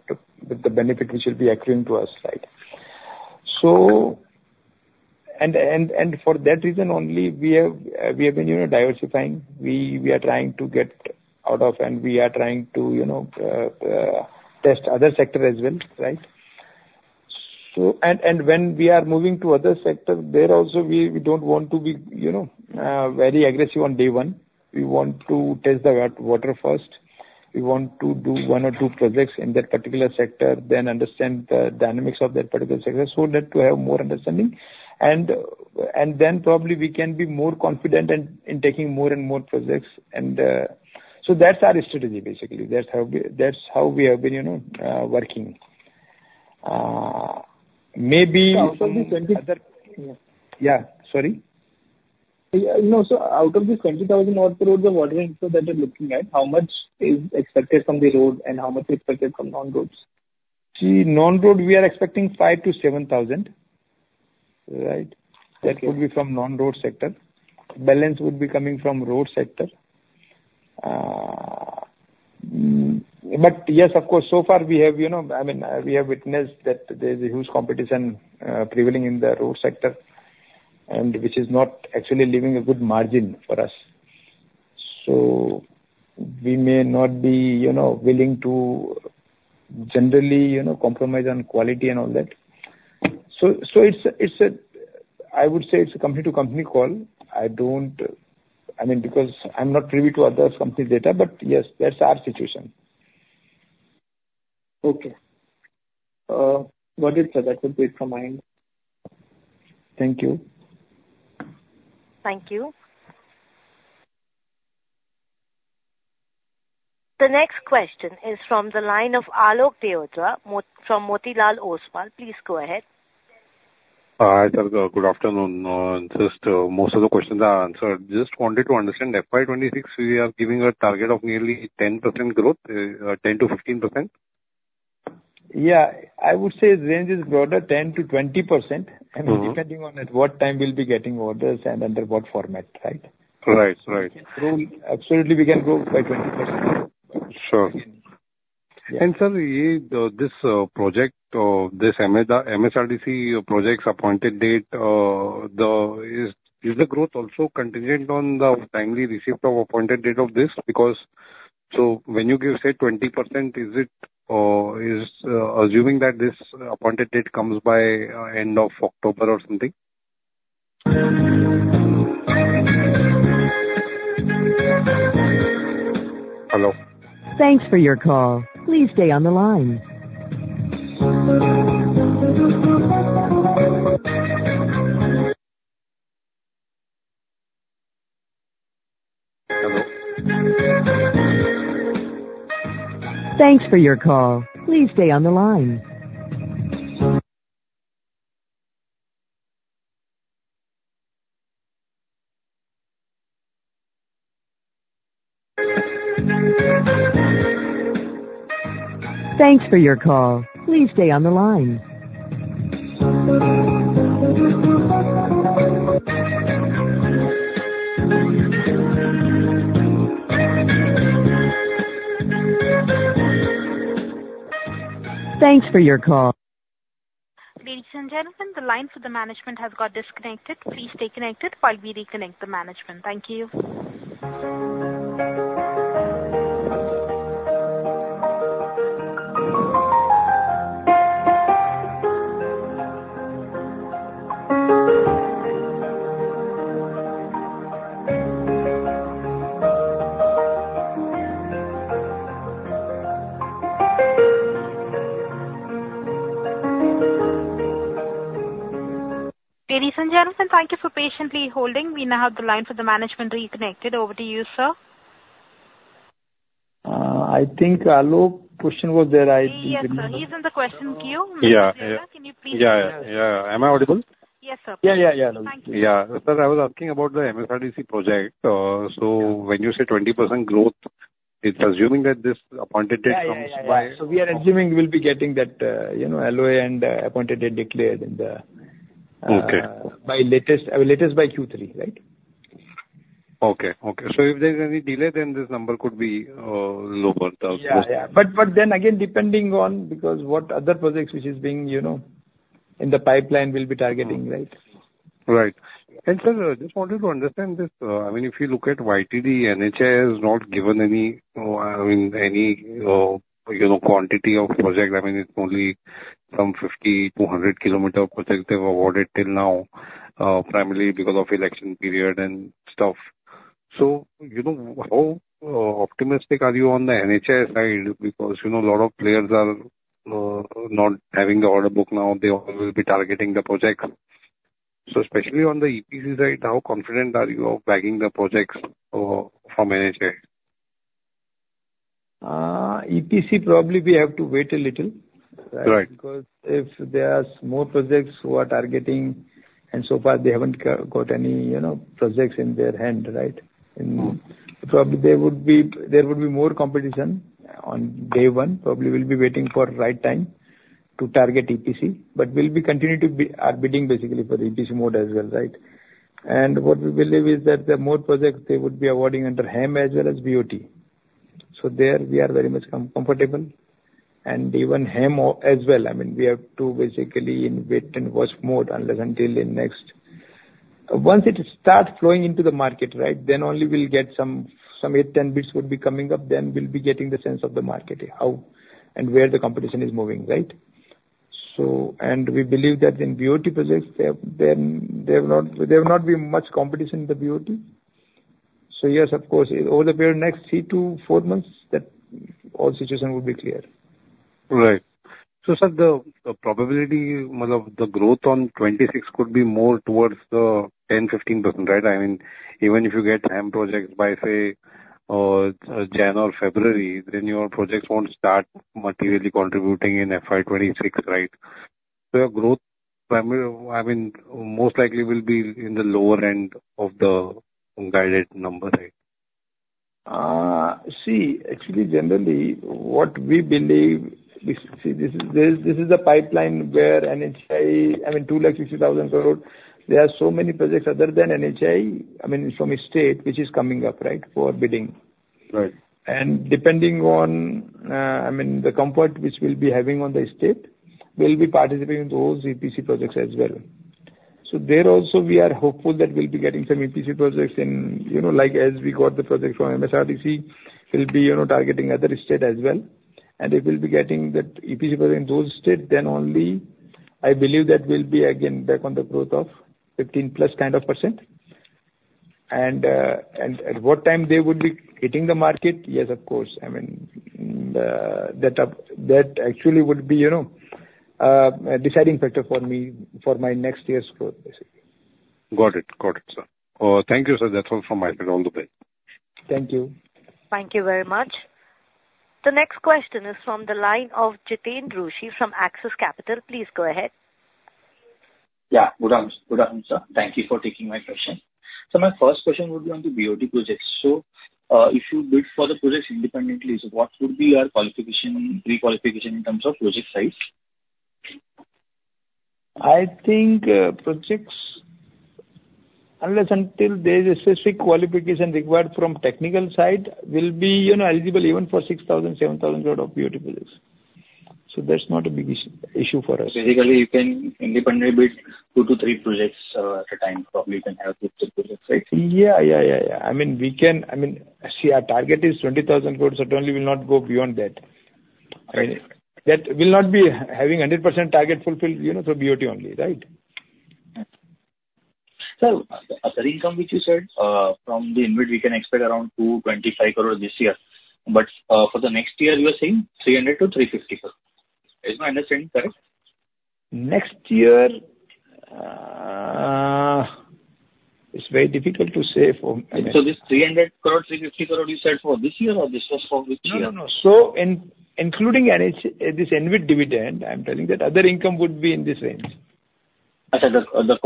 Speaker 4: the benefit which will be accruing to us, right? So, and, and, and for that reason only, we have, we have been, you know, diversifying. We are trying to get out of, and we are trying to, you know, test other sector as well, right? So, when we are moving to other sector, there also we don't want to be, you know, very aggressive on day one. We want to test the water first. We want to do one or two projects in that particular sector, then understand the dynamics of that particular sector, so that we have more understanding. And then probably we can be more confident in taking more and more projects. So that's our strategy, basically. That's how we have been, you know, working. Maybe-
Speaker 9: Out of the 20-
Speaker 4: Yeah. Sorry?
Speaker 9: No, so out of the 20,000 crore order inflow that you're looking at, how much is expected from the road and how much is expected from non-roads?
Speaker 4: See, non-road, we are expecting 5-7 thousand. Right.
Speaker 9: Okay.
Speaker 4: That will be from non-road sector. Balance would be coming from road sector. But yes, of course, so far we have, you know, I mean, we have witnessed that there's a huge competition prevailing in the road sector, and which is not actually leaving a good margin for us. So we may not be, you know, willing to generally, you know, compromise on quality and all that. So it's a, I would say it's a company-to-company call. I don't, I mean, because I'm not privy to other company data, but yes, that's our situation.
Speaker 9: Okay. Got it, sir. That's it from my end.
Speaker 4: Thank you.
Speaker 1: Thank you. The next question is from the line of Alok Deora from Motilal Oswal. Please go ahead.
Speaker 10: Hi, sir. Good afternoon, and just, most of the questions are answered. Just wanted to understand, FY 2026, we are giving a target of nearly 10% growth, 10%-15%?
Speaker 4: Yeah. I would say range is broader, 10%-20%-
Speaker 10: Mm-hmm.
Speaker 4: Depending on at what time we'll be getting orders and under what format, right?
Speaker 10: Right. Right.
Speaker 4: Absolutely, we can grow by 20%.
Speaker 10: Sure. And sir, this project, this MSRDC project's appointed date, is the growth also contingent on the timely receipt of appointed date of this? Because so when you give, say, 20%, is it, assuming that this appointed date comes by end of October or something? Hello? Thanks for your call. Please stay on the line. Hello? Thanks for your call. Please stay on the line. Thanks for your call. Please stay on the line. Thanks for your call.
Speaker 1: Ladies and gentlemen, the line for the management has got disconnected. Please stay connected while we reconnect the management. Thank you. Ladies and gentlemen, thank you for patiently holding. We now have the line for the management reconnected. Over to you, sir.
Speaker 4: I think Alok's question was that I-
Speaker 1: Yes, sir. He's in the question queue.
Speaker 10: Yeah, yeah.
Speaker 1: Can you please-
Speaker 10: Yeah, yeah. Am I audible?
Speaker 1: Yes, sir.
Speaker 4: Yeah, yeah, yeah.
Speaker 1: Thank you.
Speaker 10: Yeah. Sir, I was asking about the MSRDC project. So when you say 20% growth, it's assuming that this appointed date comes by?
Speaker 4: Yeah, yeah, yeah. So we are assuming we'll be getting that, you know, LOA and appointed date declared in the-
Speaker 10: Okay.
Speaker 4: By latest, latest by Q3, right?
Speaker 10: Okay. Okay. So if there's any delay, then this number could be lower than-
Speaker 4: Yeah, yeah. But, but then again, depending on because what other projects which is being, you know, in the pipeline we'll be targeting, right?
Speaker 10: Right. Sir, just wanted to understand this. I mean, if you look at YTD, NHAI has not given any, I mean, any, you know, quantity of project. I mean, it's only some 50-100 km project they've awarded till now, primarily because of election period and stuff. So, you know, how optimistic are you on the NHAI side? Because, you know, a lot of players are not having the order book now. They all will be targeting the project. So especially on the EPC side, how confident are you of bagging the projects for NHAI?
Speaker 4: EPC, probably we have to wait a little.
Speaker 10: Right.
Speaker 4: Because if there are more projects what are getting, and so far they haven't got any, you know, projects in their hand, right?
Speaker 10: Mm-hmm.
Speaker 4: Probably there would be, there would be more competition on day one. Probably we'll be waiting for right time to target EPC, but we'll be continue to be bidding basically for EPC mode as well, right? And what we believe is that the more projects they would be awarding under HAM as well as BOT. So there we are very much comfortable, and even HAM as well, I mean, we have to basically in wait and watch mode unless until the next... Once it starts flowing into the market, right, then only we'll get some 8, 10 bids would be coming up, then we'll be getting the sense of the market, how and where the competition is moving, right? So, and we believe that in BOT projects, there, then there will not, there will not be much competition in the BOT. Yes, of course, over the next 3-4 months, that whole situation will be clear.
Speaker 10: Right. So sir, the probability, well, of the growth on '26 could be more towards the 10%-15%, right? I mean, even if you get HAM projects by, say, January or February, then your projects won't start materially contributing in FY 2026, right? So your growth primary, I mean, most likely will be in the lower end of the guided number, right?
Speaker 4: Actually, generally, what we believe, this is a pipeline where NHAI, I mean, 260,000 crore. There are so many projects other than NHAI, I mean, from state, which is coming up, right, for bidding.
Speaker 10: Right.
Speaker 4: And depending on, I mean, the comfort which we'll be having on the state, we'll be participating in those EPC projects as well. So there also, we are hopeful that we'll be getting some EPC projects in, you know, like as we got the project from MSRDC, we'll be, you know, targeting other state as well. And if we'll be getting that EPC in those state, then only I believe that we'll be again back on the growth of 15%+. And what time they would be hitting the market? Yes, of course, I mean, that actually would be, you know, a deciding factor for me for my next year's growth, basically.
Speaker 10: Got it. Got it, sir. Thank you, sir. That's all from my side. All the best.
Speaker 4: Thank you.
Speaker 1: Thank you very much. The next question is from the line of Jiten Rushi from Axis Capital. Please go ahead.
Speaker 11: Yeah. Good morning, sir. Thank you for taking my question. So my first question would be on the BOT projects. So, if you bid for the projects independently, so what would be your qualification, pre-qualification in terms of project size?
Speaker 4: I think projects, unless until there is a specific qualification required from technical side, will be, you know, eligible even for 6,000 crore-7,000 crore of BOT projects. So that's not a big issue for us.
Speaker 11: Basically, you can independently bid 2-3 projects at a time. Probably, you can have good projects, right?
Speaker 4: Yeah, yeah, yeah, yeah. I mean, we can... I mean, see, our target is 20,000 crore, certainly we'll not go beyond that. I mean, that will not be having 100% target fulfilled, you know, through BOT only, right?
Speaker 11: Sir, other income, which you said, from the InvIT, we can expect around INR 225 crore this year. But, for the next year, you are saying INR 300 crore-INR 350 crore. Is my understanding correct?
Speaker 4: Next year, it's very difficult to say for, I mean-
Speaker 11: So this 300 crore, 350 crore, you said for this year, or this was for which year?
Speaker 4: No, no, no. So including this InvIT dividend, I'm telling that other income would be in this range.
Speaker 11: I said the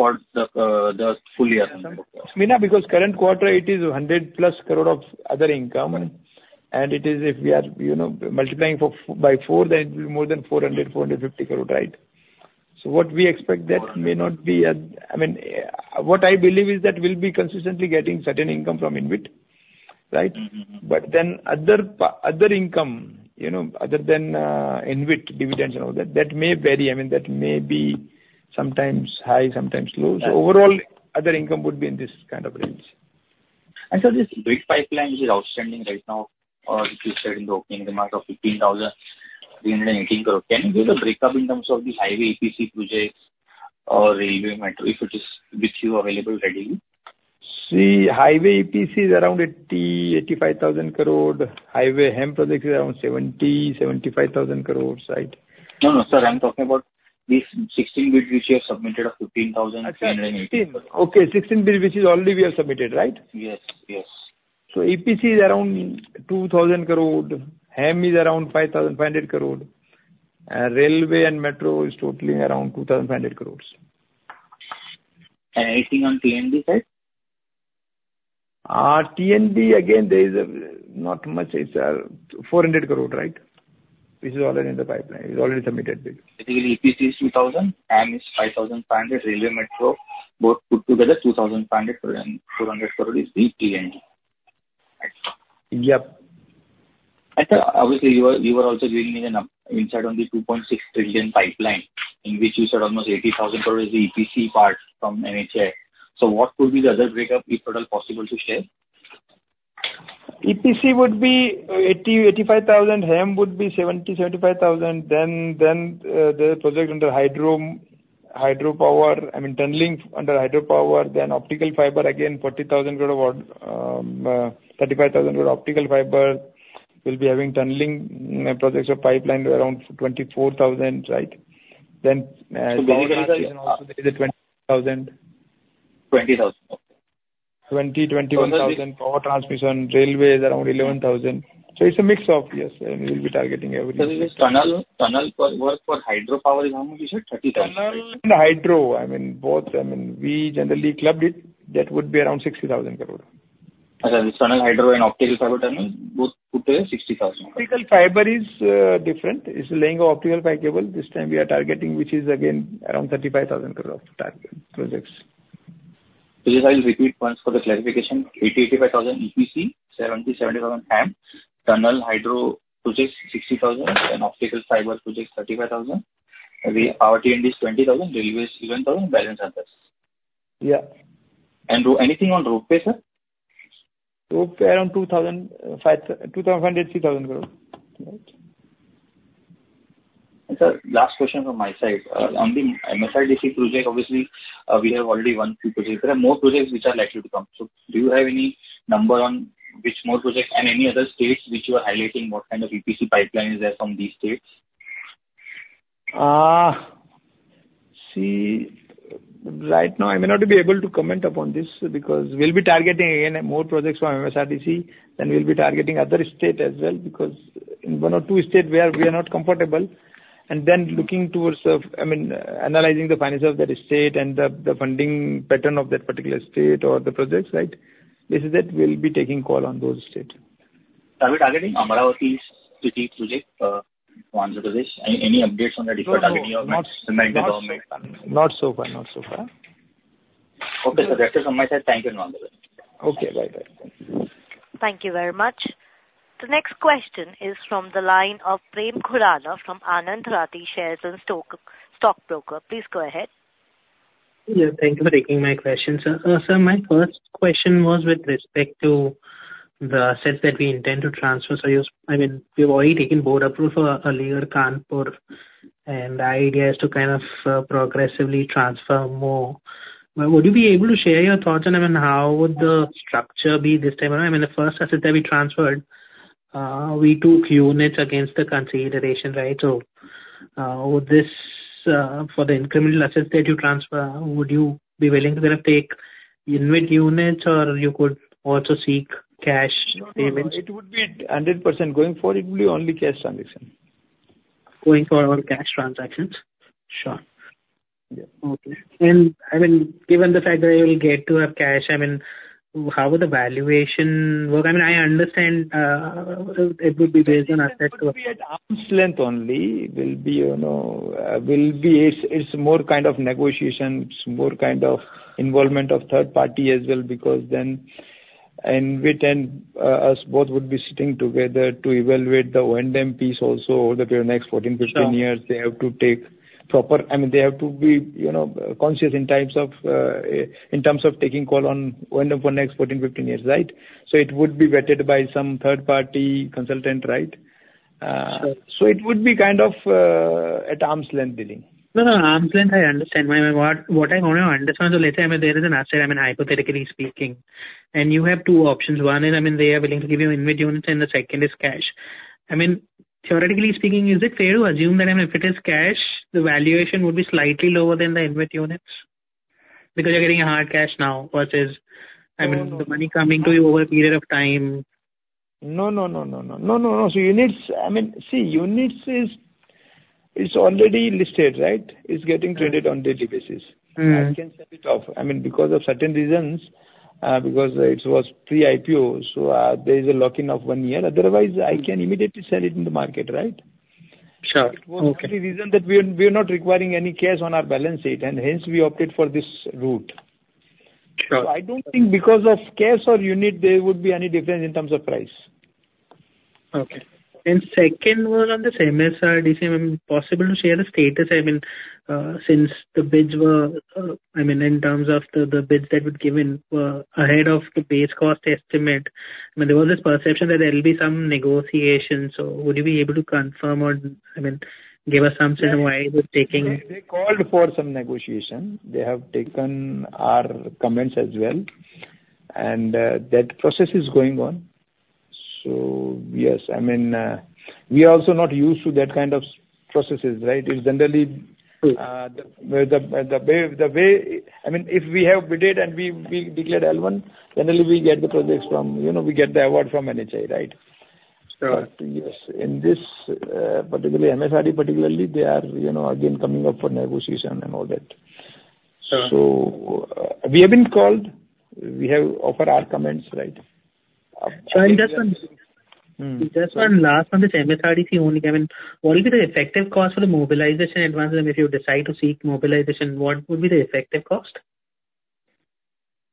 Speaker 11: full year.
Speaker 4: I mean, yeah, because current quarter, it is 100+ crore of other income, and it is, if we are, you know, multiplying for FY by four, then it will be more than 450 crore, right? So what we expect, that may not be as... I mean, what I believe is that we'll be consistently getting certain income from InvIT, right?
Speaker 11: Mm-hmm.
Speaker 4: But then other income, you know, other than InvIT dividends and all that, that may vary. I mean, that may be sometimes high, sometimes low.
Speaker 11: Yeah.
Speaker 4: Overall, other income would be in this kind of range.
Speaker 11: So this big pipeline which is outstanding right now, you said in the opening remarks of INR 15,318 crore. Can you give the breakup in terms of the highway EPC projects or railway metro, if it is with you available readily?
Speaker 4: See, highway EPC is around 80,000-85,000 crore. Highway HAM projects is around 70,000-75,000 crore, right?
Speaker 11: No, no, sir, I'm talking about these 16 bid which you have submitted of 15,318-
Speaker 4: Okay, 16 bid, which is already we have submitted, right?
Speaker 11: Yes, yes.
Speaker 4: So EPC is around 2,000 crore, HAM is around 5,500 crore, railway and metro is totally around 2,500 crore.
Speaker 11: Anything on T&D side?
Speaker 4: T&D, again, there is not much. It's 400 crore, right? This is already in the pipeline. It's already submitted bill.
Speaker 11: Basically, EPC is 2,000 crore, HAM is 5,500 crore. Railway, metro, both put together, 2,500 crore, 400 crore is the T&D.
Speaker 4: Yep.
Speaker 11: Sir, obviously, you are, you are also giving me the number inside on the 2.6 trillion pipeline, in which you said almost 80,000 crore is the EPC part from NHAI. So what could be the other breakup, if at all possible, to share?
Speaker 4: EPC would be 80-85 thousand. HAM would be 70-75 thousand. Then the project under hydro, hydropower, I mean, tunneling under hydropower, then optical fiber, again, 40,000 crore, 35,000 crore optical fiber. We'll be having tunneling projects or pipeline around 24,000, right? Then 20,000.
Speaker 11: 20,000, okay.
Speaker 4: 21,000 power transmission, railway is around 11,000. So it's a mix of, yes, and we'll be targeting everything.
Speaker 11: This tunnel, tunnel for work for hydropower, is how much you said? INR 30,000.
Speaker 4: Tunnel and hydro, I mean, both. I mean, we generally clubbed it. That would be around 60,000 crore.
Speaker 11: The tunnel hydro and optical fiber, tunnels, both put to 60,000.
Speaker 4: Optical fiber is different. It's laying an optical fiber cable. This time we are targeting, which is again, around 35,000 crore of target projects.
Speaker 11: I'll repeat once for clarification. 80,000-85,000 crore EPC, 70,000-70,000 crore HAM, tunnel hydro projects 60,000 crore, and optical fiber projects 35,000 crore. The RTND is 20,000 crore, railway is 11,000 crore, balance others.
Speaker 4: Yeah.
Speaker 11: Anything on Ropeway, sir?
Speaker 4: Road pay, around INR 2,000-2,300 crore, right.
Speaker 11: Sir, last question from my side. On the MSRDC project, obviously, we have already won two projects. There are more projects which are likely to come. So do you have any number on which more projects and any other states which you are highlighting, what kind of EPC pipeline is there from these states?
Speaker 4: See, right now, I may not be able to comment upon this because we'll be targeting again more projects from MSRDC, and we'll be targeting other state as well, because in one or two state, we are, we are not comfortable. And then looking towards, I mean, analyzing the finances of that state and the, the funding pattern of that particular state or the projects, right? This is it. We'll be taking call on those states.
Speaker 11: Are we targeting Amravati city project, Andhra Pradesh? Any, any updates on the different targeting of that?
Speaker 4: Not so far. Not so far.
Speaker 11: Okay, so that is from my side. Thank you in advance.
Speaker 4: Okay. Bye-bye. Thank you.
Speaker 1: Thank you very much. The next question is from the line of Prem Khurana from Anand Rathi Share and Stock Brokers. Please go ahead.
Speaker 12: Yeah, thank you for taking my question, sir. Sir, my first question was with respect to the assets that we intend to transfer. So you, I mean, we've already taken board approval earlier, Kanpur, and the idea is to kind of progressively transfer more. Would you be able to share your thoughts on, I mean, how would the structure be this time around? I mean, the first asset that we transferred, we took units against the consideration, right? So, for the incremental assets that you transfer, would you be willing to kind of take InvIT units, or you could also seek cash payments?
Speaker 4: No, no, it would be 100%. Going forward, it will be only cash transaction.
Speaker 12: Going forward, all cash transactions? Sure.
Speaker 4: Yeah.
Speaker 12: Okay. I mean, given the fact that you will get to have cash, I mean, how would the valuation work? I mean, I understand, it would be based on asset-
Speaker 4: It would be at arm's length only, will be, you know, will be it's, it's more kind of negotiation, it's more kind of involvement of third party as well, because then, and with then, us both would be sitting together to evaluate the O&M piece also, that for the next 14-15 years-
Speaker 12: Sure.
Speaker 4: They have to take proper... I mean, they have to be, you know, conscious in types of, in terms of taking call on O&M for next 14, 15 years, right? So it would be vetted by some third party consultant, right?
Speaker 12: Sure.
Speaker 4: So it would be kind of, at arm's length billing.
Speaker 12: No, no, arm's length, I understand. What, what I want to understand, so let's say there is an asset, I mean, hypothetically speaking, and you have two options. One is, I mean, they are willing to give you InvIT units, and the second is cash. I mean, theoretically speaking, is it fair to assume that, I mean, if it is cash, the valuation would be slightly lower than the InvIT units? Because you're getting a hard cash now versus-
Speaker 4: No, no, no.
Speaker 12: I mean, the money coming to you over a period of time.
Speaker 4: No, no, no, no, no. No, no, no. So units, I mean, see, units is, is already listed, right? It's getting traded on daily basis.
Speaker 12: Mm-hmm.
Speaker 4: I can sell it off. I mean, because of certain reasons, because it was pre-IPO, so, there is a lock-in of one year. Otherwise, I can immediately sell it in the market, right?
Speaker 12: Sure. Okay.
Speaker 4: It was the only reason that we are not requiring any cash on our balance sheet, and hence we opted for this route.
Speaker 12: Sure.
Speaker 4: I don't think because of cash or unit, there would be any difference in terms of price.
Speaker 12: Okay. And second, was on the MSRDC, I mean, possible to share the status? I mean, since the bids were, I mean, in terms of the bids that would given, ahead of the base cost estimate, I mean, there was this perception that there will be some negotiations. So would you be able to confirm or, I mean, give us some sense on why it is taking-
Speaker 4: They called for some negotiation. They have taken our comments as well, and that process is going on. So yes, I mean, we are also not used to that kind of processes, right? It's generally-
Speaker 12: Sure.
Speaker 4: I mean, if we have bid and we declared L1, generally we get the projects from, you know, we get the award from NHAI, right?
Speaker 12: Sure.
Speaker 4: Yes, in this, particularly MSRDC, particularly, they are, you know, again, coming up for negotiation and all that.
Speaker 12: Sure.
Speaker 4: So, we have been called, we have offered our comments, right?
Speaker 12: Sir, just one-
Speaker 4: Mm.
Speaker 12: Just one last one, which MSRDC only, I mean, what will be the effective cost for the mobilization advance? And if you decide to seek mobilization, what would be the effective cost?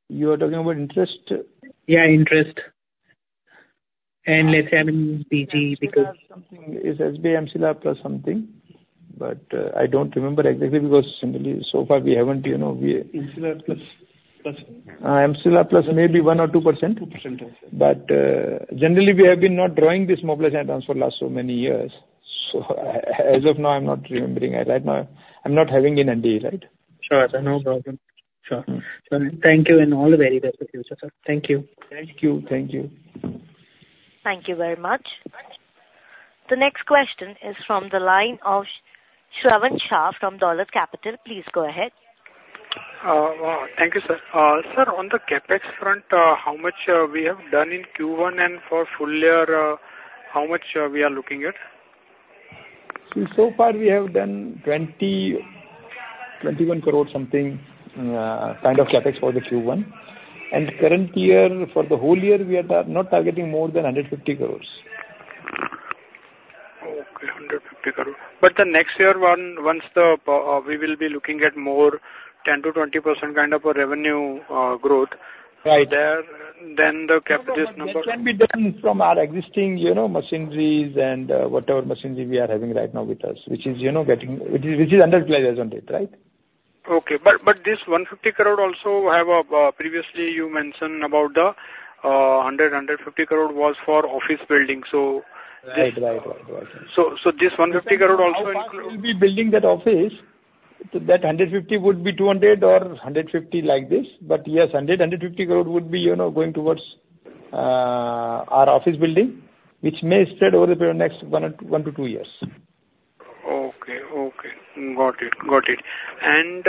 Speaker 4: You are talking about interest?
Speaker 12: Yeah, interest. And let's say, I mean, BG, because-
Speaker 4: It's SBI MCLR plus something, but, I don't remember exactly because generally, so far, we haven't, you know, we-
Speaker 12: MCLR.
Speaker 4: MCLR plus maybe 1%-2%.
Speaker 12: Two percent.
Speaker 4: But, generally we have been not drawing this Mobilization Advance for last so many years.... So, as of now, I'm not remembering it. Right now, I'm not having it in a day, right?
Speaker 5: Sure, sir, no problem. Sure. Thank you, and all the very best for future, sir. Thank you.
Speaker 4: Thank you. Thank you.
Speaker 1: Thank you very much. The next question is from the line of Shravan Shah from Dolat Capital. Please go ahead.
Speaker 5: Thank you, sir. Sir, on the CapEx front, how much we have done in Q1, and for full year, how much are we are looking at?
Speaker 4: So far we have done 21 crore, something, kind of CapEx for the Q1. Current year, for the whole year, we are not targeting more than 150 crores.
Speaker 5: Okay, 150 crore. But the next year, once we will be looking at more 10%-20% kind of a revenue growth-
Speaker 4: Right.
Speaker 5: there, then the CapEx number
Speaker 4: That can be done from our existing, you know, machineries and whatever machinery we are having right now with us, which is, you know, underutilized on it, right?
Speaker 5: Okay. But, but this 150 crore also have, previously you mentioned about the, 150 crore was for office building, so this-
Speaker 4: Right, right, right.
Speaker 5: So, this 150 crore also include-
Speaker 4: How far we'll be building that office, that 150 would be 200 or 150, like this. But yes, 100, 150 crore would be, you know, going towards our office building, which may spread over the next one to two years.
Speaker 5: Okay, okay. Got it. Got it. And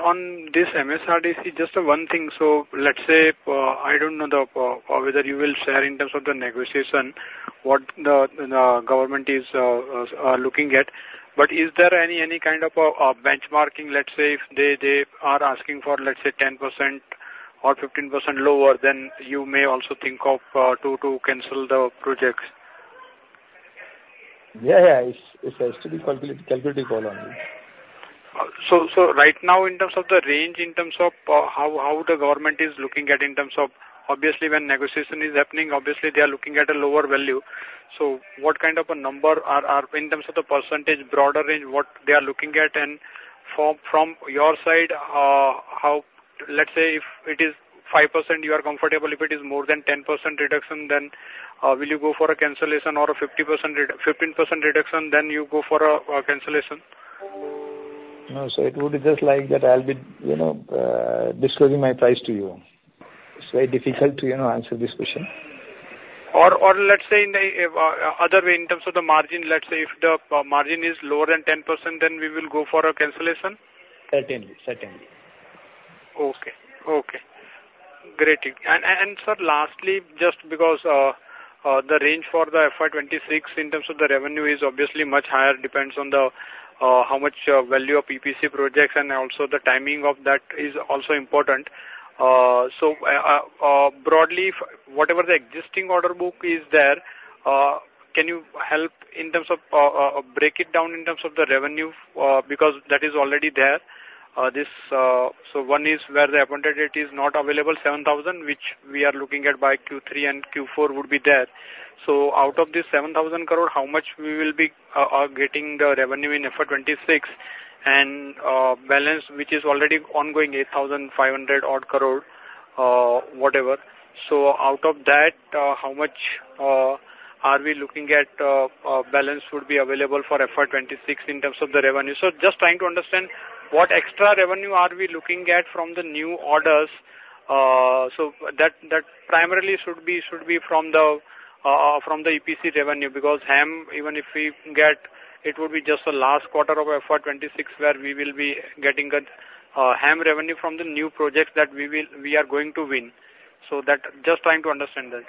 Speaker 5: on this MSRDC, just one thing. So let's say I don't know whether you will share in terms of the negotiation what the government is looking at, but is there any kind of a benchmarking? Let's say if they are asking for, let's say, 10% or 15% lower, then you may also think of to cancel the projects.
Speaker 4: Yeah, yeah. It's, it has to be calculated upon.
Speaker 5: So, so right now in terms of the range, in terms of how the government is looking at in terms of... Obviously, when negotiation is happening, obviously they are looking at a lower value. So what kind of a number are in terms of the percentage, broader range, what they are looking at? And from your side, how—Let's say if it is 5%, you are comfortable. If it is more than 10% reduction, then will you go for a cancellation or a 50% red- 15% reduction, then you go for a cancellation?
Speaker 4: No, sir, it would be just like that. I'll be, you know, disclosing my price to you. It's very difficult to, you know, answer this question.
Speaker 5: Or, let's say in another way, in terms of the margin, let's say if the P-margin is lower than 10%, then we will go for a cancellation?
Speaker 4: Certainly, certainly.
Speaker 5: Okay. Okay, great. And, sir, lastly, just because the range for the FY 2026 in terms of the revenue is obviously much higher, depends on the how much value of EPC projects and also the timing of that is also important. So, broadly, whatever the existing order book is there, can you help in terms of break it down in terms of the revenue? Because that is already there. This... So one is where the appointed date is not available, 7,000, which we are looking at by Q3 and Q4 would be there. So out of this 7,000 crore, how much we will be getting the revenue in FY 2026, and balance, which is already ongoing, 8,500 odd crore, whatever. So out of that, how much are we looking at, balance would be available for FY 2026 in terms of the revenue? So just trying to understand, what extra revenue are we looking at from the new orders? So that, that primarily should be, should be from the, from the EPC revenue, because HAM, even if we get, it will be just the last quarter of FY 2026, where we will be getting a HAM revenue from the new projects that we will, we are going to win. So that, just trying to understand that.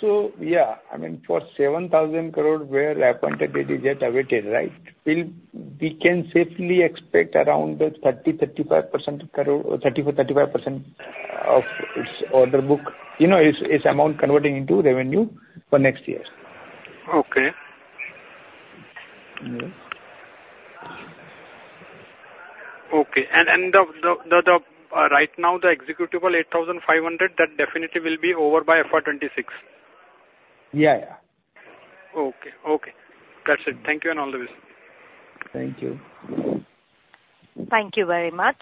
Speaker 4: So, yeah, I mean, for 7,000 crore, where Appointed Date is yet awaited, right? We can safely expect around the 30%-35% crore, 34%-35% of its Order Book, you know, its amount converting into revenue for next year.
Speaker 5: Okay.
Speaker 4: Yeah.
Speaker 5: Okay. And right now, the executable 8,500, that definitely will be over by FY 2026?
Speaker 4: Yeah, yeah.
Speaker 5: Okay, okay. That's it. Thank you and all the best.
Speaker 4: Thank you.
Speaker 1: Thank you very much.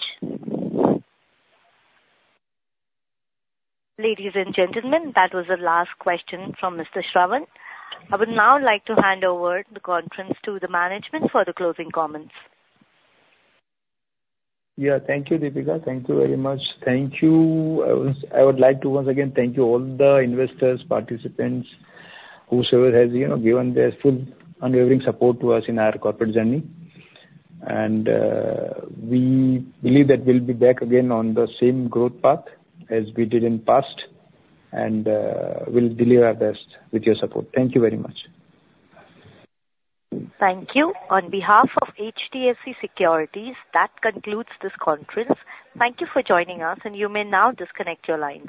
Speaker 1: Ladies and gentlemen, that was the last question from Mr. Shravan. I would now like to hand over the conference to the management for the closing comments.
Speaker 4: Yeah. Thank you, Deepika. Thank you very much. Thank you. I would like to once again thank you all the investors, participants, whosoever has, you know, given their full unwavering support to us in our corporate journey. We believe that we'll be back again on the same growth path as we did in past, and we'll deliver our best with your support. Thank you very much.
Speaker 1: Thank you. On behalf of HDFC Securities, that concludes this conference. Thank you for joining us, and you may now disconnect your lines.